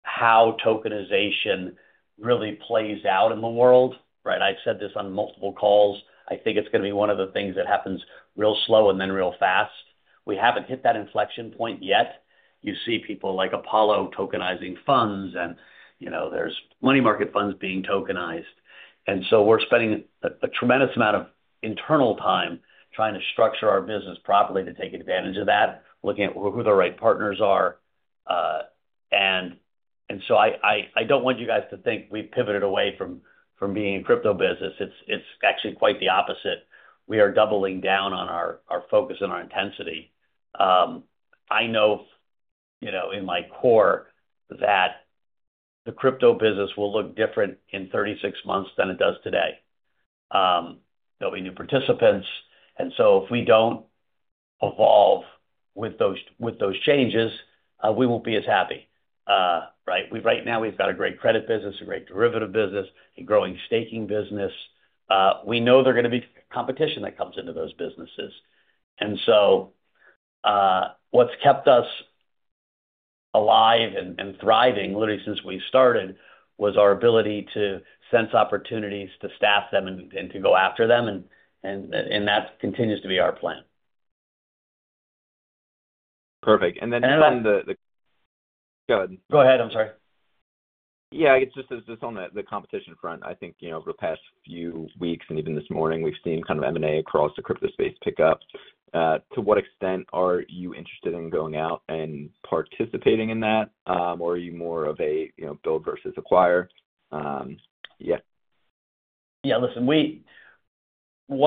how tokenization really plays out in the world, right? I've said this on multiple calls. I think it's going to be one of the things that happens real slow and then real fast. We haven't hit that inflection point yet. You see people like Apollo tokenizing funds, and there's money market funds being tokenized. We're spending a tremendous amount of internal time trying to structure our business properly to take advantage of that, looking at who the right partners are. I do not want you guys to think we've pivoted away from being a crypto business. It's actually quite the opposite. We are doubling down on our focus and our intensity. I know in my core that the crypto business will look different in 36 months than it does today. There will be new participants. If we do not evolve with those changes, we will not be as happy, right? Right now, we've got a great credit business, a great derivative business, a growing staking business. We know there's going to be competition that comes into those businesses. What's kept us alive and thriving literally since we started was our ability to sense opportunities, to staff them, and to go after them. That continues to be our plan. Perfect. On the competition front, I think over the past few weeks and even this morning, we've seen kind of M&A across the crypto space pick up. To what extent are you interested in going out and participating in that, or are you more of a build versus acquire? Yeah. One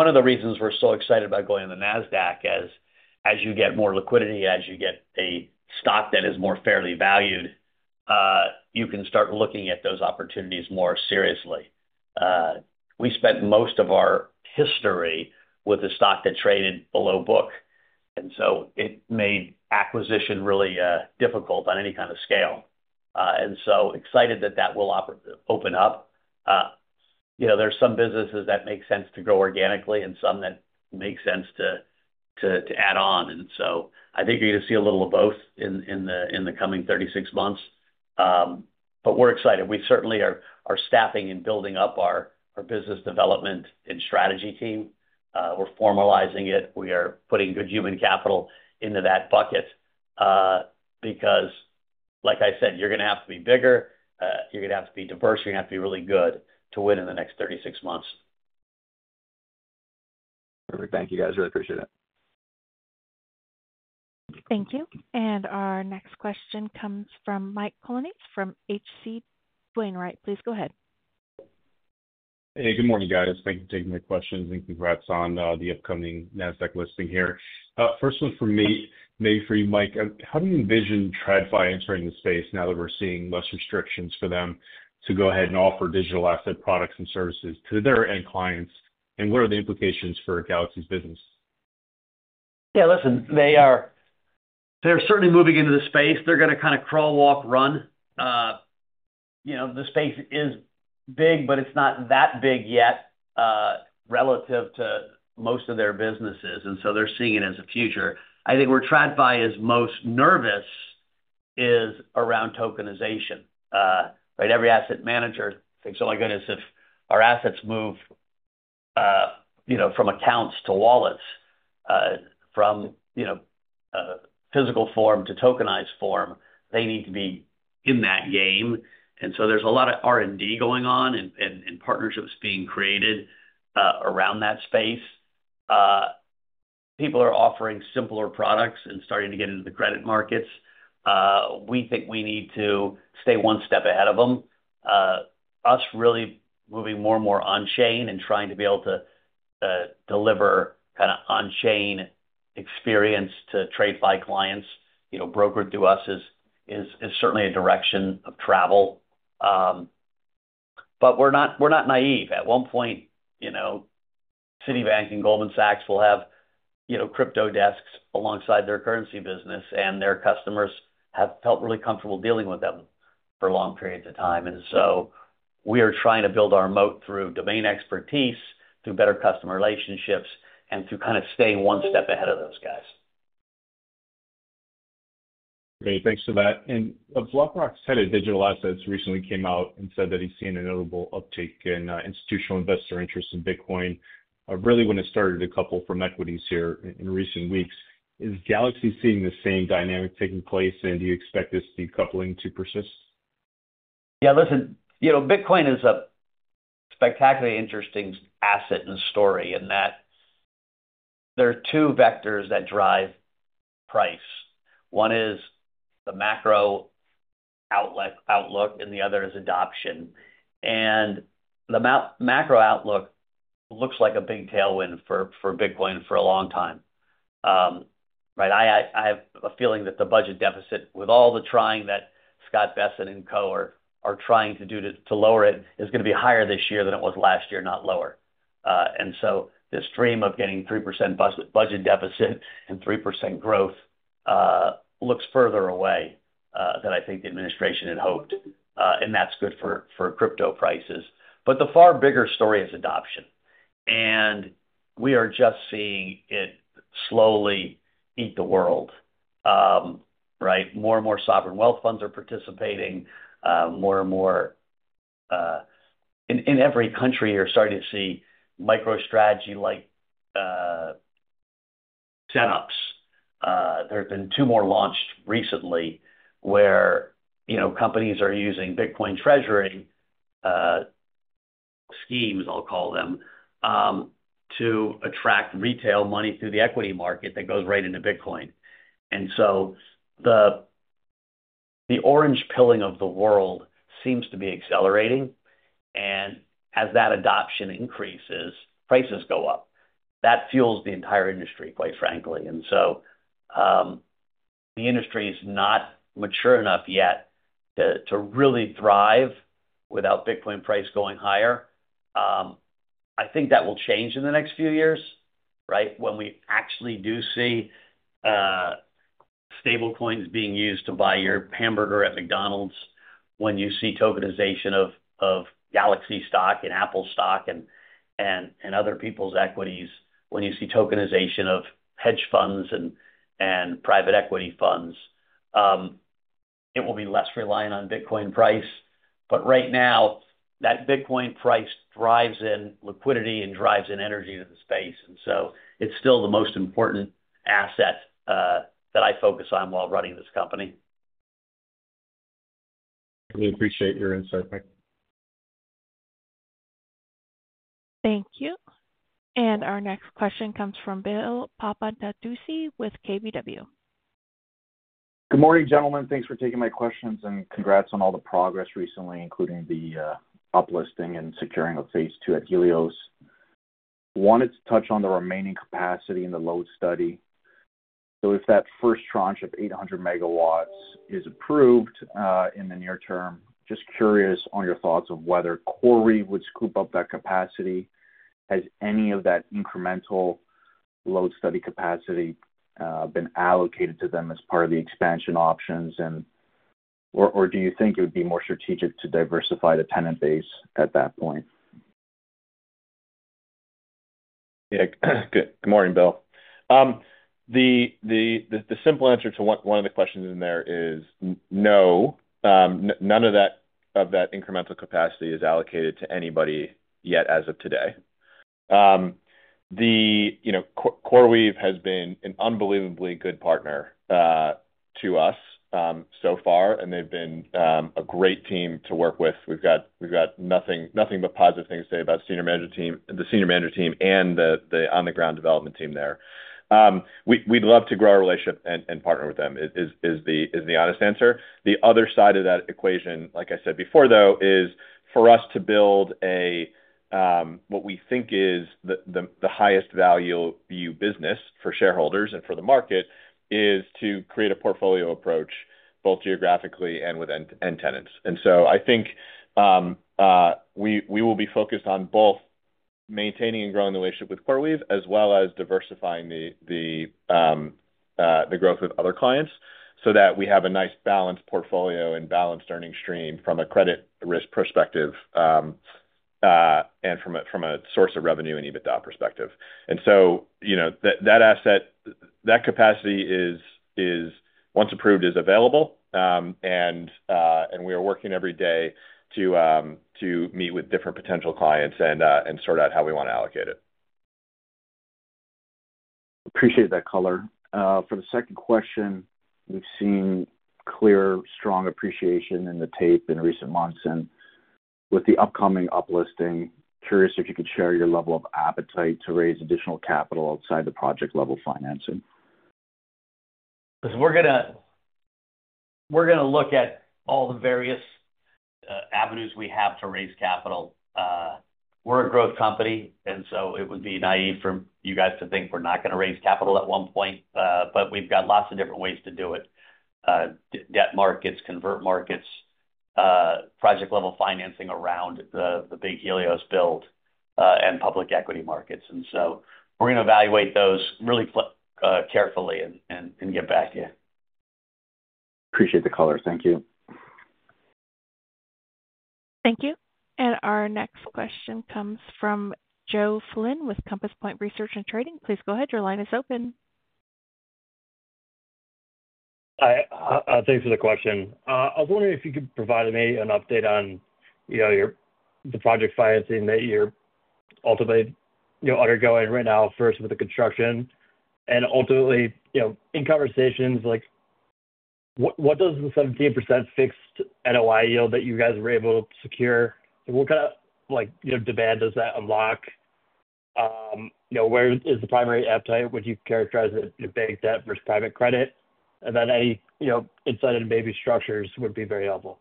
of the reasons we're so excited about going to the NASDAQ is as you get more liquidity, as you get a stock that is more fairly valued, you can start looking at those opportunities more seriously. We spent most of our history with a stock that traded below book. It made acquisition really difficult on any kind of scale. Excited that that will open up. There are some businesses that make sense to grow organically and some that make sense to add on. I think you're going to see a little of both in the coming 36 months. We're excited. We certainly are staffing and building up our business development and strategy team. We're formalizing it. We are putting good human capital into that bucket because, like I said, you're going to have to be bigger. You're going to have to be diverse. You're going to have to be really good to win in the next 36 months. Perfect. Thank you, guys. Really appreciate it. Thank you. Our next question comes from Mike Colonnese from H.C. Wainwright. Please go ahead. Hey, good morning, guys. Thank you for taking my questions and congrats on the upcoming NASDAQ listing here. First one for me, maybe for you, Mike. How do you envision TradFi entering the space now that we're seeing less restrictions for them to go ahead and offer digital asset products and services to their end clients? What are the implications for Galaxy's business? Yeah. Listen, they're certainly moving into the space. They're going to kind of crawl, walk, run. The space is big, but it's not that big yet relative to most of their businesses. They're seeing it as a future. I think where TradFi is most nervous is around tokenization, right? Every asset manager thinks, "Oh my goodness, if our assets move from accounts to wallets, from physical form to tokenized form, they need to be in that game." There is a lot of R&D going on and partnerships being created around that space. People are offering simpler products and starting to get into the credit markets. We think we need to stay one step ahead of them. Us really moving more and more on-chain and trying to be able to deliver kind of on-chain experience to TradFi clients, brokered through us, is certainly a direction of travel. We are not naive. At one point, Citibank and Goldman Sachs will have crypto desks alongside their currency business, and their customers have felt really comfortable dealing with them for long periods of time. We are trying to build our moat through domain expertise, through better customer relationships, and through kind of staying one step ahead of those guys. Okay. Thanks for that. BlackRock's head of digital assets recently came out and said that he's seen a notable uptick in institutional investor interest in Bitcoin, really when it started to decouple from equities here in recent weeks. Is Galaxy seeing the same dynamic taking place, and do you expect this decoupling to persist? Yeah. Listen, Bitcoin is a spectacularly interesting asset and story in that there are two vectors that drive price. One is the macro outlook, and the other is adoption. The macro outlook looks like a big tailwind for Bitcoin for a long time, right? I have a feeling that the budget deficit, with all the trying that Scott Bessent and co are trying to do to lower it, is going to be higher this year than it was last year, not lower. This dream of getting 3% budget deficit and 3% growth looks further away than I think the administration had hoped. That is good for crypto prices. The far bigger story is adoption. We are just seeing it slowly eat the world, right? More and more sovereign wealth funds are participating. More and more in every country, you are starting to see microstrategy-like setups. There have been two more launched recently where companies are using Bitcoin treasury schemes, I will call them, to attract retail money through the equity market that goes right into Bitcoin. The orange pilling of the world seems to be accelerating. As that adoption increases, prices go up. That fuels the entire industry, quite frankly. The industry is not mature enough yet to really thrive without Bitcoin price going higher. I think that will change in the next few years, right, when we actually do see stablecoins being used to buy your hamburger at McDonald's, when you see tokenization of Galaxy stock and Apple stock and other people's equities, when you see tokenization of hedge funds and private equity funds. It will be less reliant on Bitcoin price. Right now, that Bitcoin price drives in liquidity and drives in energy to the space. It is still the most important asset that I focus on while running this company. We appreciate your insight, Mike. Thank you. Our next question comes from Bill Papandatoussi with KBW. Good morning, gentlemen. Thanks for taking my questions and congrats on all the progress recently, including the uplifting and securing of phase two at Helios. Wanted to touch on the remaining capacity in the load study. If that first tranche of 800 megawatts is approved in the near term, just curious on your thoughts of whether CoreWeave would scoop up that capacity. Has any of that incremental load study capacity been allocated to them as part of the expansion options, or do you think it would be more strategic to diversify the tenant base at that point? Yeah. Good morning, Bill. The simple answer to one of the questions in there is no. None of that incremental capacity is allocated to anybody yet as of today. CoreWeave has been an unbelievably good partner to us so far, and they've been a great team to work with. We've got nothing but positive things to say about the senior manager team and the on-the-ground development team there. We'd love to grow our relationship and partner with them is the honest answer. The other side of that equation, like I said before, though, is for us to build what we think is the highest value business for shareholders and for the market is to create a portfolio approach both geographically and with end tenants. I think we will be focused on both maintaining and growing the relationship with CoreWeave as well as diversifying the growth with other clients so that we have a nice balanced portfolio and balanced earning stream from a credit risk perspective and from a source of revenue and EBITDA perspective. That asset, that capacity is, once approved, is available. We are working every day to meet with different potential clients and sort out how we want to allocate it. Appreciate that color. For the second question, we have seen clear, strong appreciation in the tape in recent months. With the upcoming uplisting, curious if you could share your level of appetite to raise additional capital outside the project-level financing. Listen, we are going to look at all the various avenues we have to raise capital. We are a growth company. It would be naive for you guys to think we are not going to raise capital at one point. We have lots of different ways to do it: debt markets, convert markets, project-level financing around the big Helios build, and public equity markets. We are going to evaluate those really carefully and get back to you. Appreciate the color. Thank you. Thank you. Our next question comes from Joe Flynn with Compass Point Research and Trading. Please go ahead. Your line is open. Thanks for the question. I was wondering if you could provide me an update on the project financing that you're ultimately undergoing right now, first with the construction. Ultimately, in conversations, what does the 17% fixed NOI yield that you guys were able to secure? What kind of demand does that unlock? Where is the primary appetite? Would you characterize it as bank debt versus private credit? Any insight into maybe structures would be very helpful.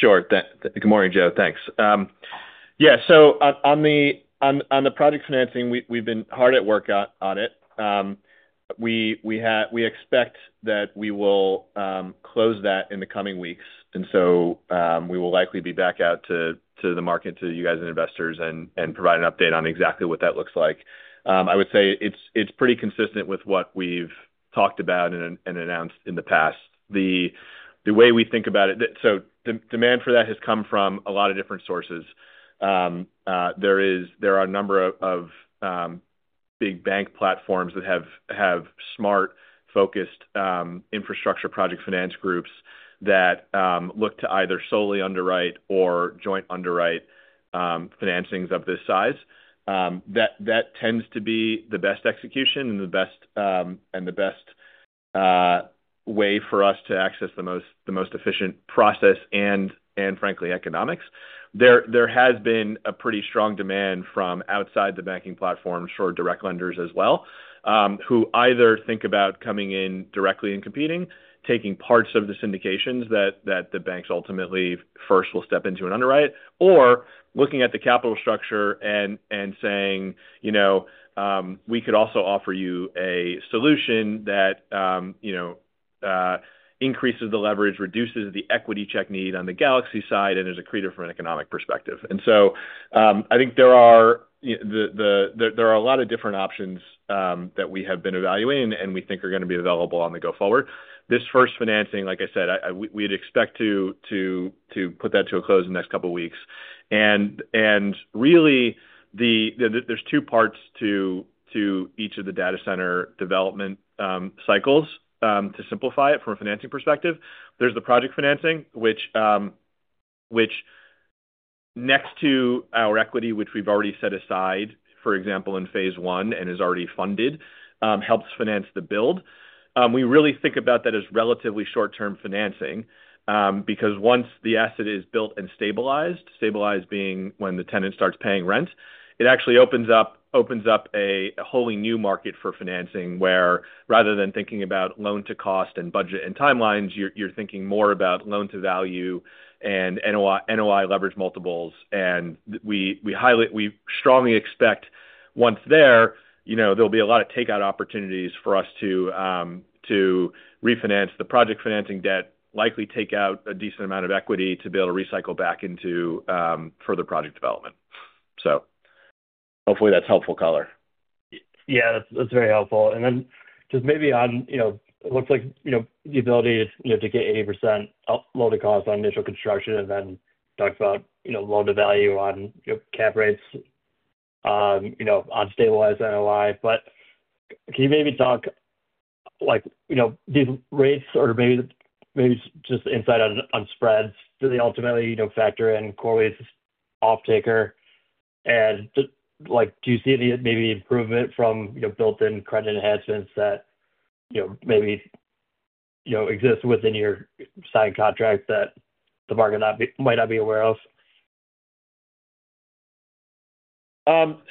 Sure. Good morning, Joe. Thanks. Yeah. On the project financing, we've been hard at work on it. We expect that we will close that in the coming weeks. We will likely be back out to the market, to you guys and investors, and provide an update on exactly what that looks like. I would say it is pretty consistent with what we have talked about and announced in the past. The way we think about it, demand for that has come from a lot of different sources. There are a number of big bank platforms that have smart-focused infrastructure project finance groups that look to either solely underwrite or joint underwrite financings of this size. That tends to be the best execution and the best way for us to access the most efficient process and, frankly, economics. There has been a pretty strong demand from outside the banking platforms for direct lenders as well, who either think about coming in directly and competing, taking parts of the syndications that the banks ultimately first will step into and underwrite, or looking at the capital structure and saying, "We could also offer you a solution that increases the leverage, reduces the equity check need on the Galaxy side, and is accretive from an economic perspective." I think there are a lot of different options that we have been evaluating, and we think are going to be available on the go forward. This first financing, like I said, we'd expect to put that to a close in the next couple of weeks. Really, there's two parts to each of the data center development cycles to simplify it from a financing perspective. There's the project financing, which next to our equity, which we've already set aside, for example, in phase one and is already funded, helps finance the build. We really think about that as relatively short-term financing because once the asset is built and stabilized, stabilized being when the tenant starts paying rent, it actually opens up a wholly new market for financing where, rather than thinking about loan-to-cost and budget and timelines, you're thinking more about loan-to-value and NOI leverage multiples. We strongly expect once there, there'll be a lot of takeout opportunities for us to refinance the project financing debt, likely take out a decent amount of equity to be able to recycle back into further project development. Hopefully, that's helpful color. Yeah. That's very helpful. Just maybe on it looks like the ability to get 80% loan-to-cost on initial construction and then talk about loan-to-value on cap rates on stabilized NOI. Can you maybe talk these rates or maybe just insight on spreads? Do they ultimately factor in CoreWeave's off-taker? Do you see any maybe improvement from built-in credit enhancements that maybe exist within your signed contract that the market might not be aware of?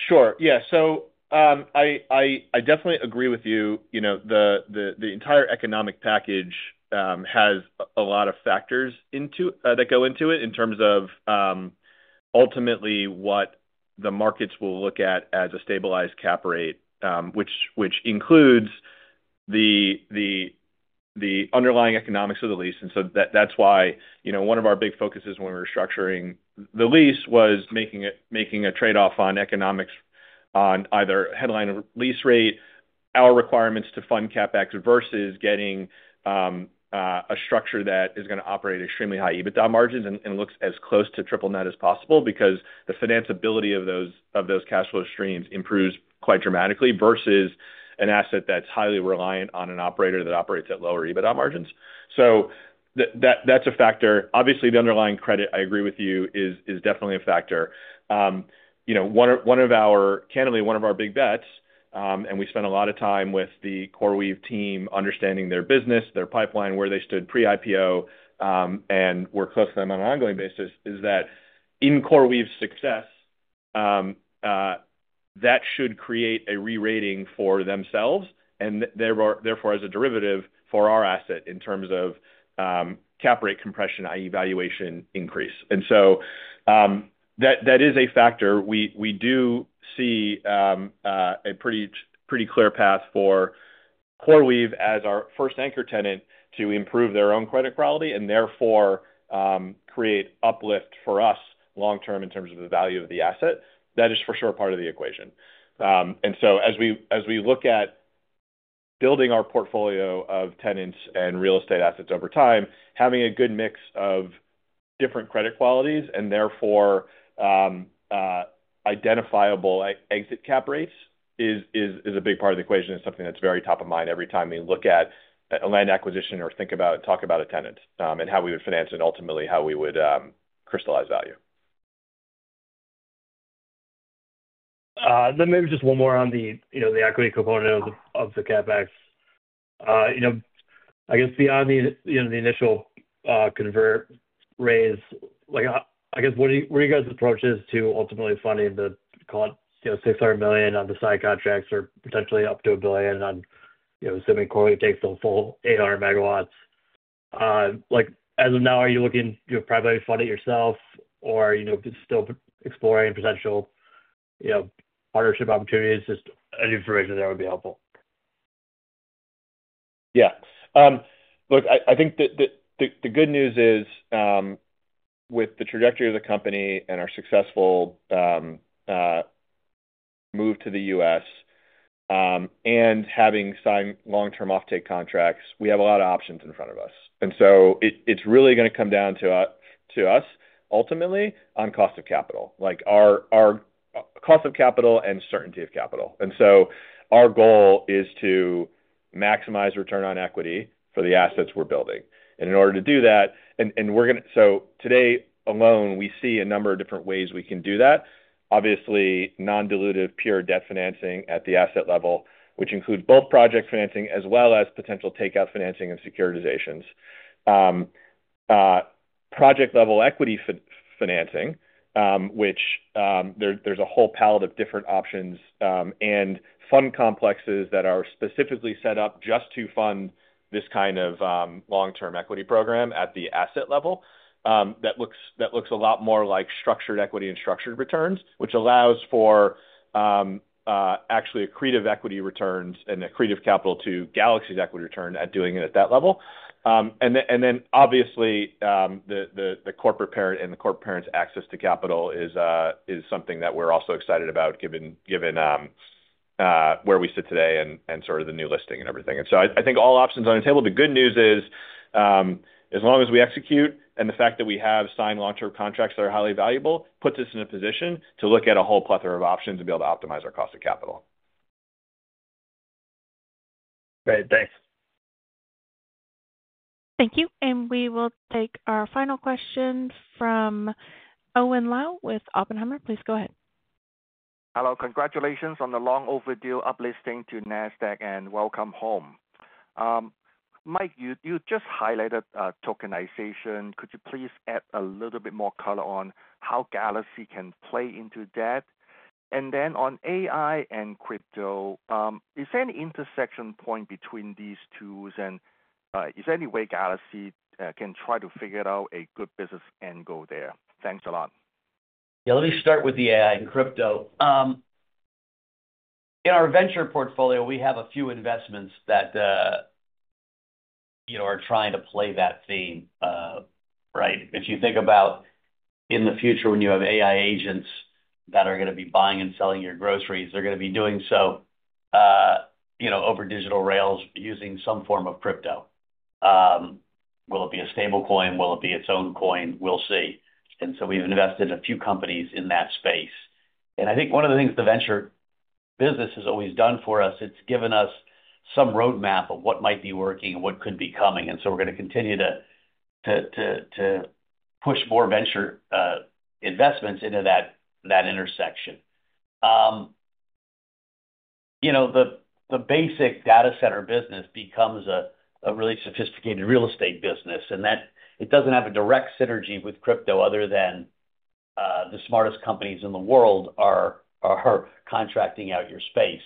Sure. Yeah. I definitely agree with you. The entire economic package has a lot of factors that go into it in terms of ultimately what the markets will look at as a stabilized cap rate, which includes the underlying economics of the lease. That's why one of our big focuses when we were structuring the lease was making a trade-off on economics on either headline or lease rate, our requirements to fund CapEx versus getting a structure that is going to operate extremely high EBITDA margins and looks as close to triple net as possible because the financeability of those cash flow streams improves quite dramatically versus an asset that's highly reliant on an operator that operates at lower EBITDA margins. That's a factor. Obviously, the underlying credit, I agree with you, is definitely a factor. One of our, candidly, one of our big bets, and we spent a lot of time with the CoreWeave team understanding their business, their pipeline, where they stood pre-IPO, and work close to them on an ongoing basis, is that in CoreWeave's success, that should create a re-rating for themselves and therefore as a derivative for our asset in terms of cap rate compression, i.e., valuation increase. That is a factor. We do see a pretty clear path for CoreWeave as our first anchor tenant to improve their own credit quality and therefore create uplift for us long-term in terms of the value of the asset. That is for sure part of the equation. As we look at building our portfolio of tenants and real estate assets over time, having a good mix of different credit qualities and therefore identifiable exit cap rates is a big part of the equation and something that's very top of mind every time we look at a land acquisition or think about and talk about a tenant and how we would finance and ultimately how we would crystallize value. Maybe just one more on the equity component of the CapEx. I guess beyond the initial convert raise, what are you guys' approaches to ultimately funding the, call it, $600 million on the side contracts or potentially up to $1 billion on assuming CoreWeave takes the full 800 megawatts? As of now, are you looking to probably fund it yourself or still exploring potential partnership opportunities? Any information there would be helpful. Yeah. Look, I think the good news is with the trajectory of the company and our successful move to the U.S. and having signed long-term off-take contracts, we have a lot of options in front of us. It is really going to come down to us ultimately on cost of capital, cost of capital, and certainty of capital. Our goal is to maximize return on equity for the assets we are building. In order to do that, and we are going to, today alone, we see a number of different ways we can do that. Obviously, non-dilutive pure debt financing at the asset level, which includes both project financing as well as potential takeout financing and securitizations. Project-level equity financing, which there's a whole palette of different options and fund complexes that are specifically set up just to fund this kind of long-term equity program at the asset level that looks a lot more like structured equity and structured returns, which allows for actually accretive equity returns and accretive capital to Galaxy's equity return at doing it at that level. The corporate parent and the corporate parent's access to capital is something that we're also excited about given where we sit today and sort of the new listing and everything. I think all options on the table. The good news is as long as we execute and the fact that we have signed long-term contracts that are highly valuable puts us in a position to look at a whole plethora of options and be able to optimize our cost of capital. Great. Thanks. Thank you. We will take our final question from Owen Lau with Oppenheimer. Please go ahead. Hello. Congratulations on the long-overdue uplisting to NASDAQ and welcome home. Mike, you just highlighted tokenization. Could you please add a little bit more color on how Galaxy can play into that? On AI and crypto, is there an intersection point between these two, and is there any way Galaxy can try to figure out a good business angle there? Thanks a lot. Yeah. Let me start with the AI and crypto. In our venture portfolio, we have a few investments that are trying to play that theme, right? If you think about in the future when you have AI agents that are going to be buying and selling your groceries, they are going to be doing so over digital rails using some form of crypto. Will it be a stablecoin? Will it be its own coin? We'll see. We've invested in a few companies in that space. I think one of the things the venture business has always done for us, it's given us some roadmap of what might be working and what could be coming. We're going to continue to push more venture investments into that intersection. The basic data center business becomes a really sophisticated real estate business, and it does not have a direct synergy with crypto other than the smartest companies in the world are contracting out your space.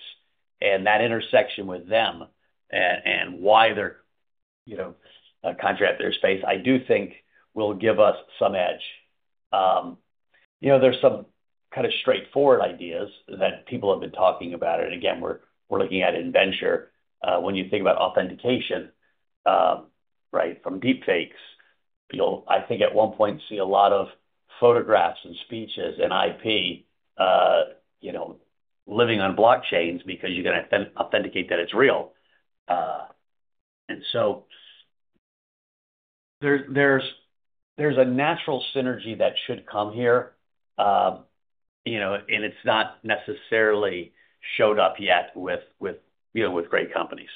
That intersection with them and why they're contracting their space, I do think will give us some edge. There are some kind of straightforward ideas that people have been talking about. We're looking at it in venture. When you think about authentication, right, from deepfakes, I think at one point see a lot of photographs and speeches and IP living on blockchains because you're going to authenticate that it's real. There is a natural synergy that should come here, and it's not necessarily showed up yet with great companies.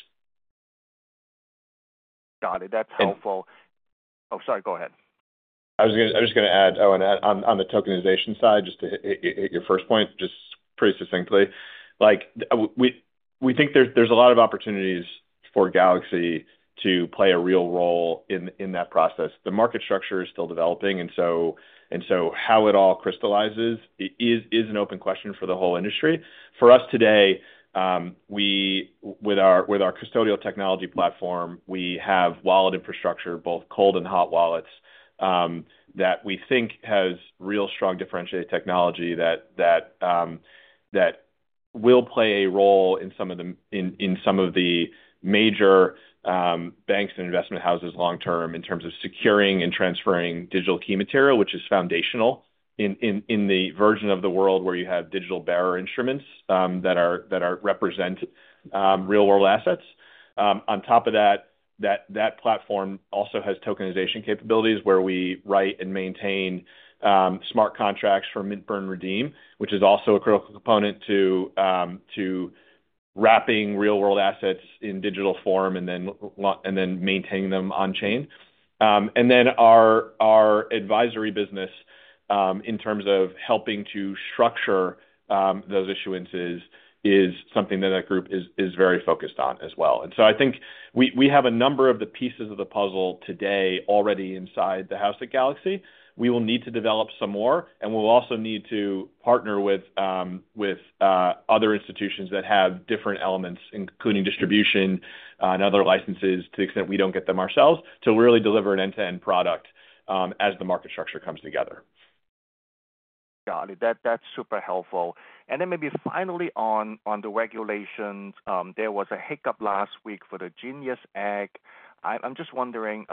Got it. That's helpful. Oh, sorry. Go ahead. I was going to add, Owen, on the tokenization side, just to hit your first point, just pretty succinctly. We think there's a lot of opportunities for Galaxy to play a real role in that process. The market structure is still developing, and how it all crystallizes is an open question for the whole industry. For us today, with our custodial technology platform, we have wallet infrastructure, both cold and hot wallets, that we think has real strong differentiated technology that will play a role in some of the major banks and investment houses long-term in terms of securing and transferring digital key material, which is foundational in the version of the world where you have digital bearer instruments that represent real-world assets. On top of that, that platform also has tokenization capabilities where we write and maintain smart contracts for mint burn redeem, which is also a critical component to wrapping real-world assets in digital form and then maintaining them on-chain. Our advisory business in terms of helping to structure those issuances is something that that group is very focused on as well. I think we have a number of the pieces of the puzzle today already inside the house at Galaxy. We will need to develop some more, and we'll also need to partner with other institutions that have different elements, including distribution and other licenses, to the extent we don't get them ourselves, to really deliver an end-to-end product as the market structure comes together. Got it. That's super helpful. Maybe finally on the regulations, there was a hiccup last week for the Genius Ag. I'm just wondering,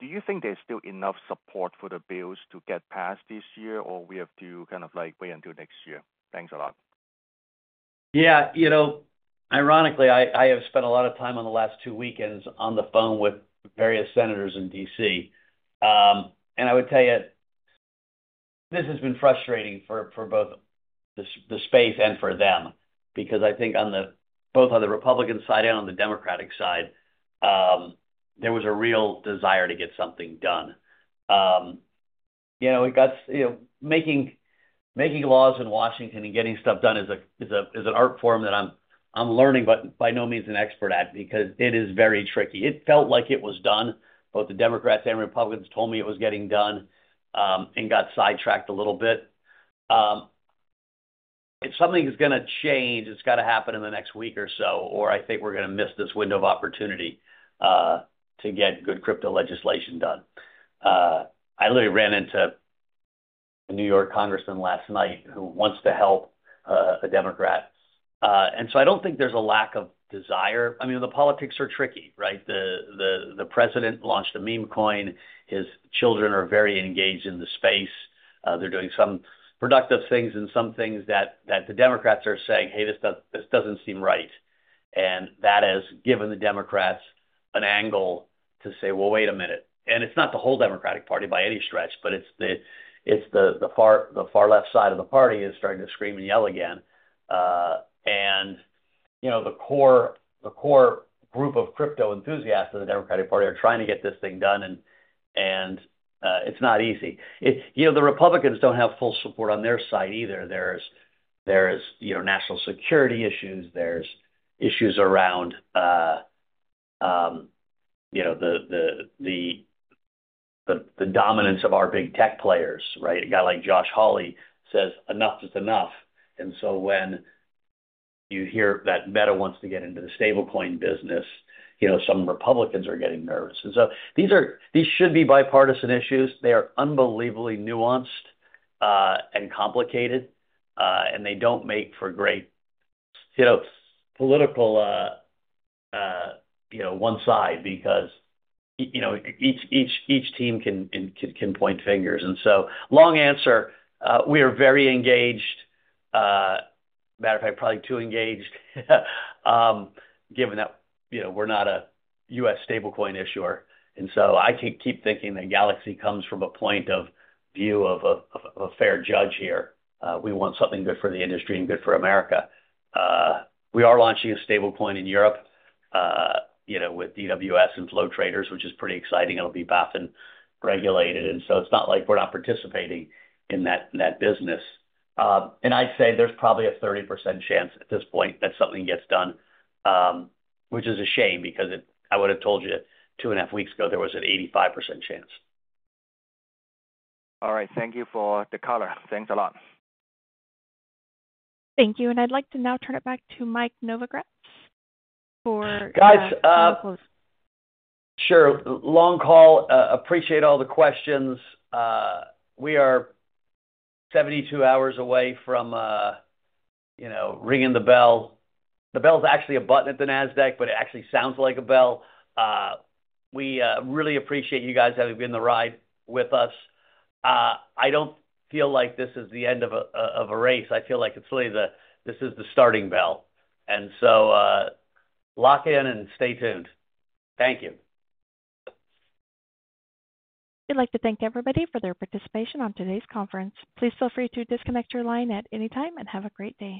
do you think there's still enough support for the bills to get passed this year, or we have to kind of wait until next year? Thanks a lot. Yeah. Ironically, I have spent a lot of time on the last two weekends on the phone with various senators in D.C. I would tell you, this has been frustrating for both the space and for them because I think both on the Republican side and on the Democratic side, there was a real desire to get something done. Making laws in Washington and getting stuff done is an art form that I'm learning, but by no means an expert at because it is very tricky. It felt like it was done. Both the Democrats and Republicans told me it was getting done and got sidetracked a little bit. If something is going to change, it's got to happen in the next week or so, or I think we're going to miss this window of opportunity to get good crypto legislation done. I literally ran into a New York congressman last night who wants to help, a Democrat. I do not think there's a lack of desire. I mean, the politics are tricky, right? The president launched a meme coin. His children are very engaged in the space. They're doing some productive things and some things that the Democrats are saying, "Hey, this doesn't seem right." That has given the Democrats an angle to say, "Well, wait a minute." It is not the whole Democratic Party by any stretch, but it is the far left side of the party that is starting to scream and yell again. The core group of crypto enthusiasts of the Democratic Party are trying to get this thing done, and it is not easy. The Republicans do not have full support on their side either. There are national security issues. There are issues around the dominance of our big tech players, right? A guy like Josh Hawley says, "Enough is enough." When you hear that Meta wants to get into the stablecoin business, some Republicans are getting nervous. These should be bipartisan issues. They are unbelievably nuanced and complicated, and they do not make for great political one side because each team can point fingers. Long answer, we are very engaged. Matter of fact, probably too engaged given that we are not a U.S. stablecoin issuer. I keep thinking that Galaxy comes from a point of view of a fair judge here. We want something good for the industry and good for America. We are launching a stablecoin in Europe with DWS and Flow Traders, which is pretty exciting. It will be BaFin regulated. It is not like we are not participating in that business. I'd say there's probably a 30% chance at this point that something gets done, which is a shame because I would have told you two and a half weeks ago there was an 85% chance. All right. Thank you for the color. Thanks a lot. Thank you. I'd like to now turn it back to Mike Novogratz for the close. Guys, sure. Long call. Appreciate all the questions. We are 72 hours away from ringing the bell. The bell is actually a button at the NASDAQ, but it actually sounds like a bell. We really appreciate you guys having been the ride with us. I don't feel like this is the end of a race. I feel like it's really the starting bell. Lock in and stay tuned. Thank you. We'd like to thank everybody for their participation on today's conference. Please feel free to disconnect your line at any time and have a great day.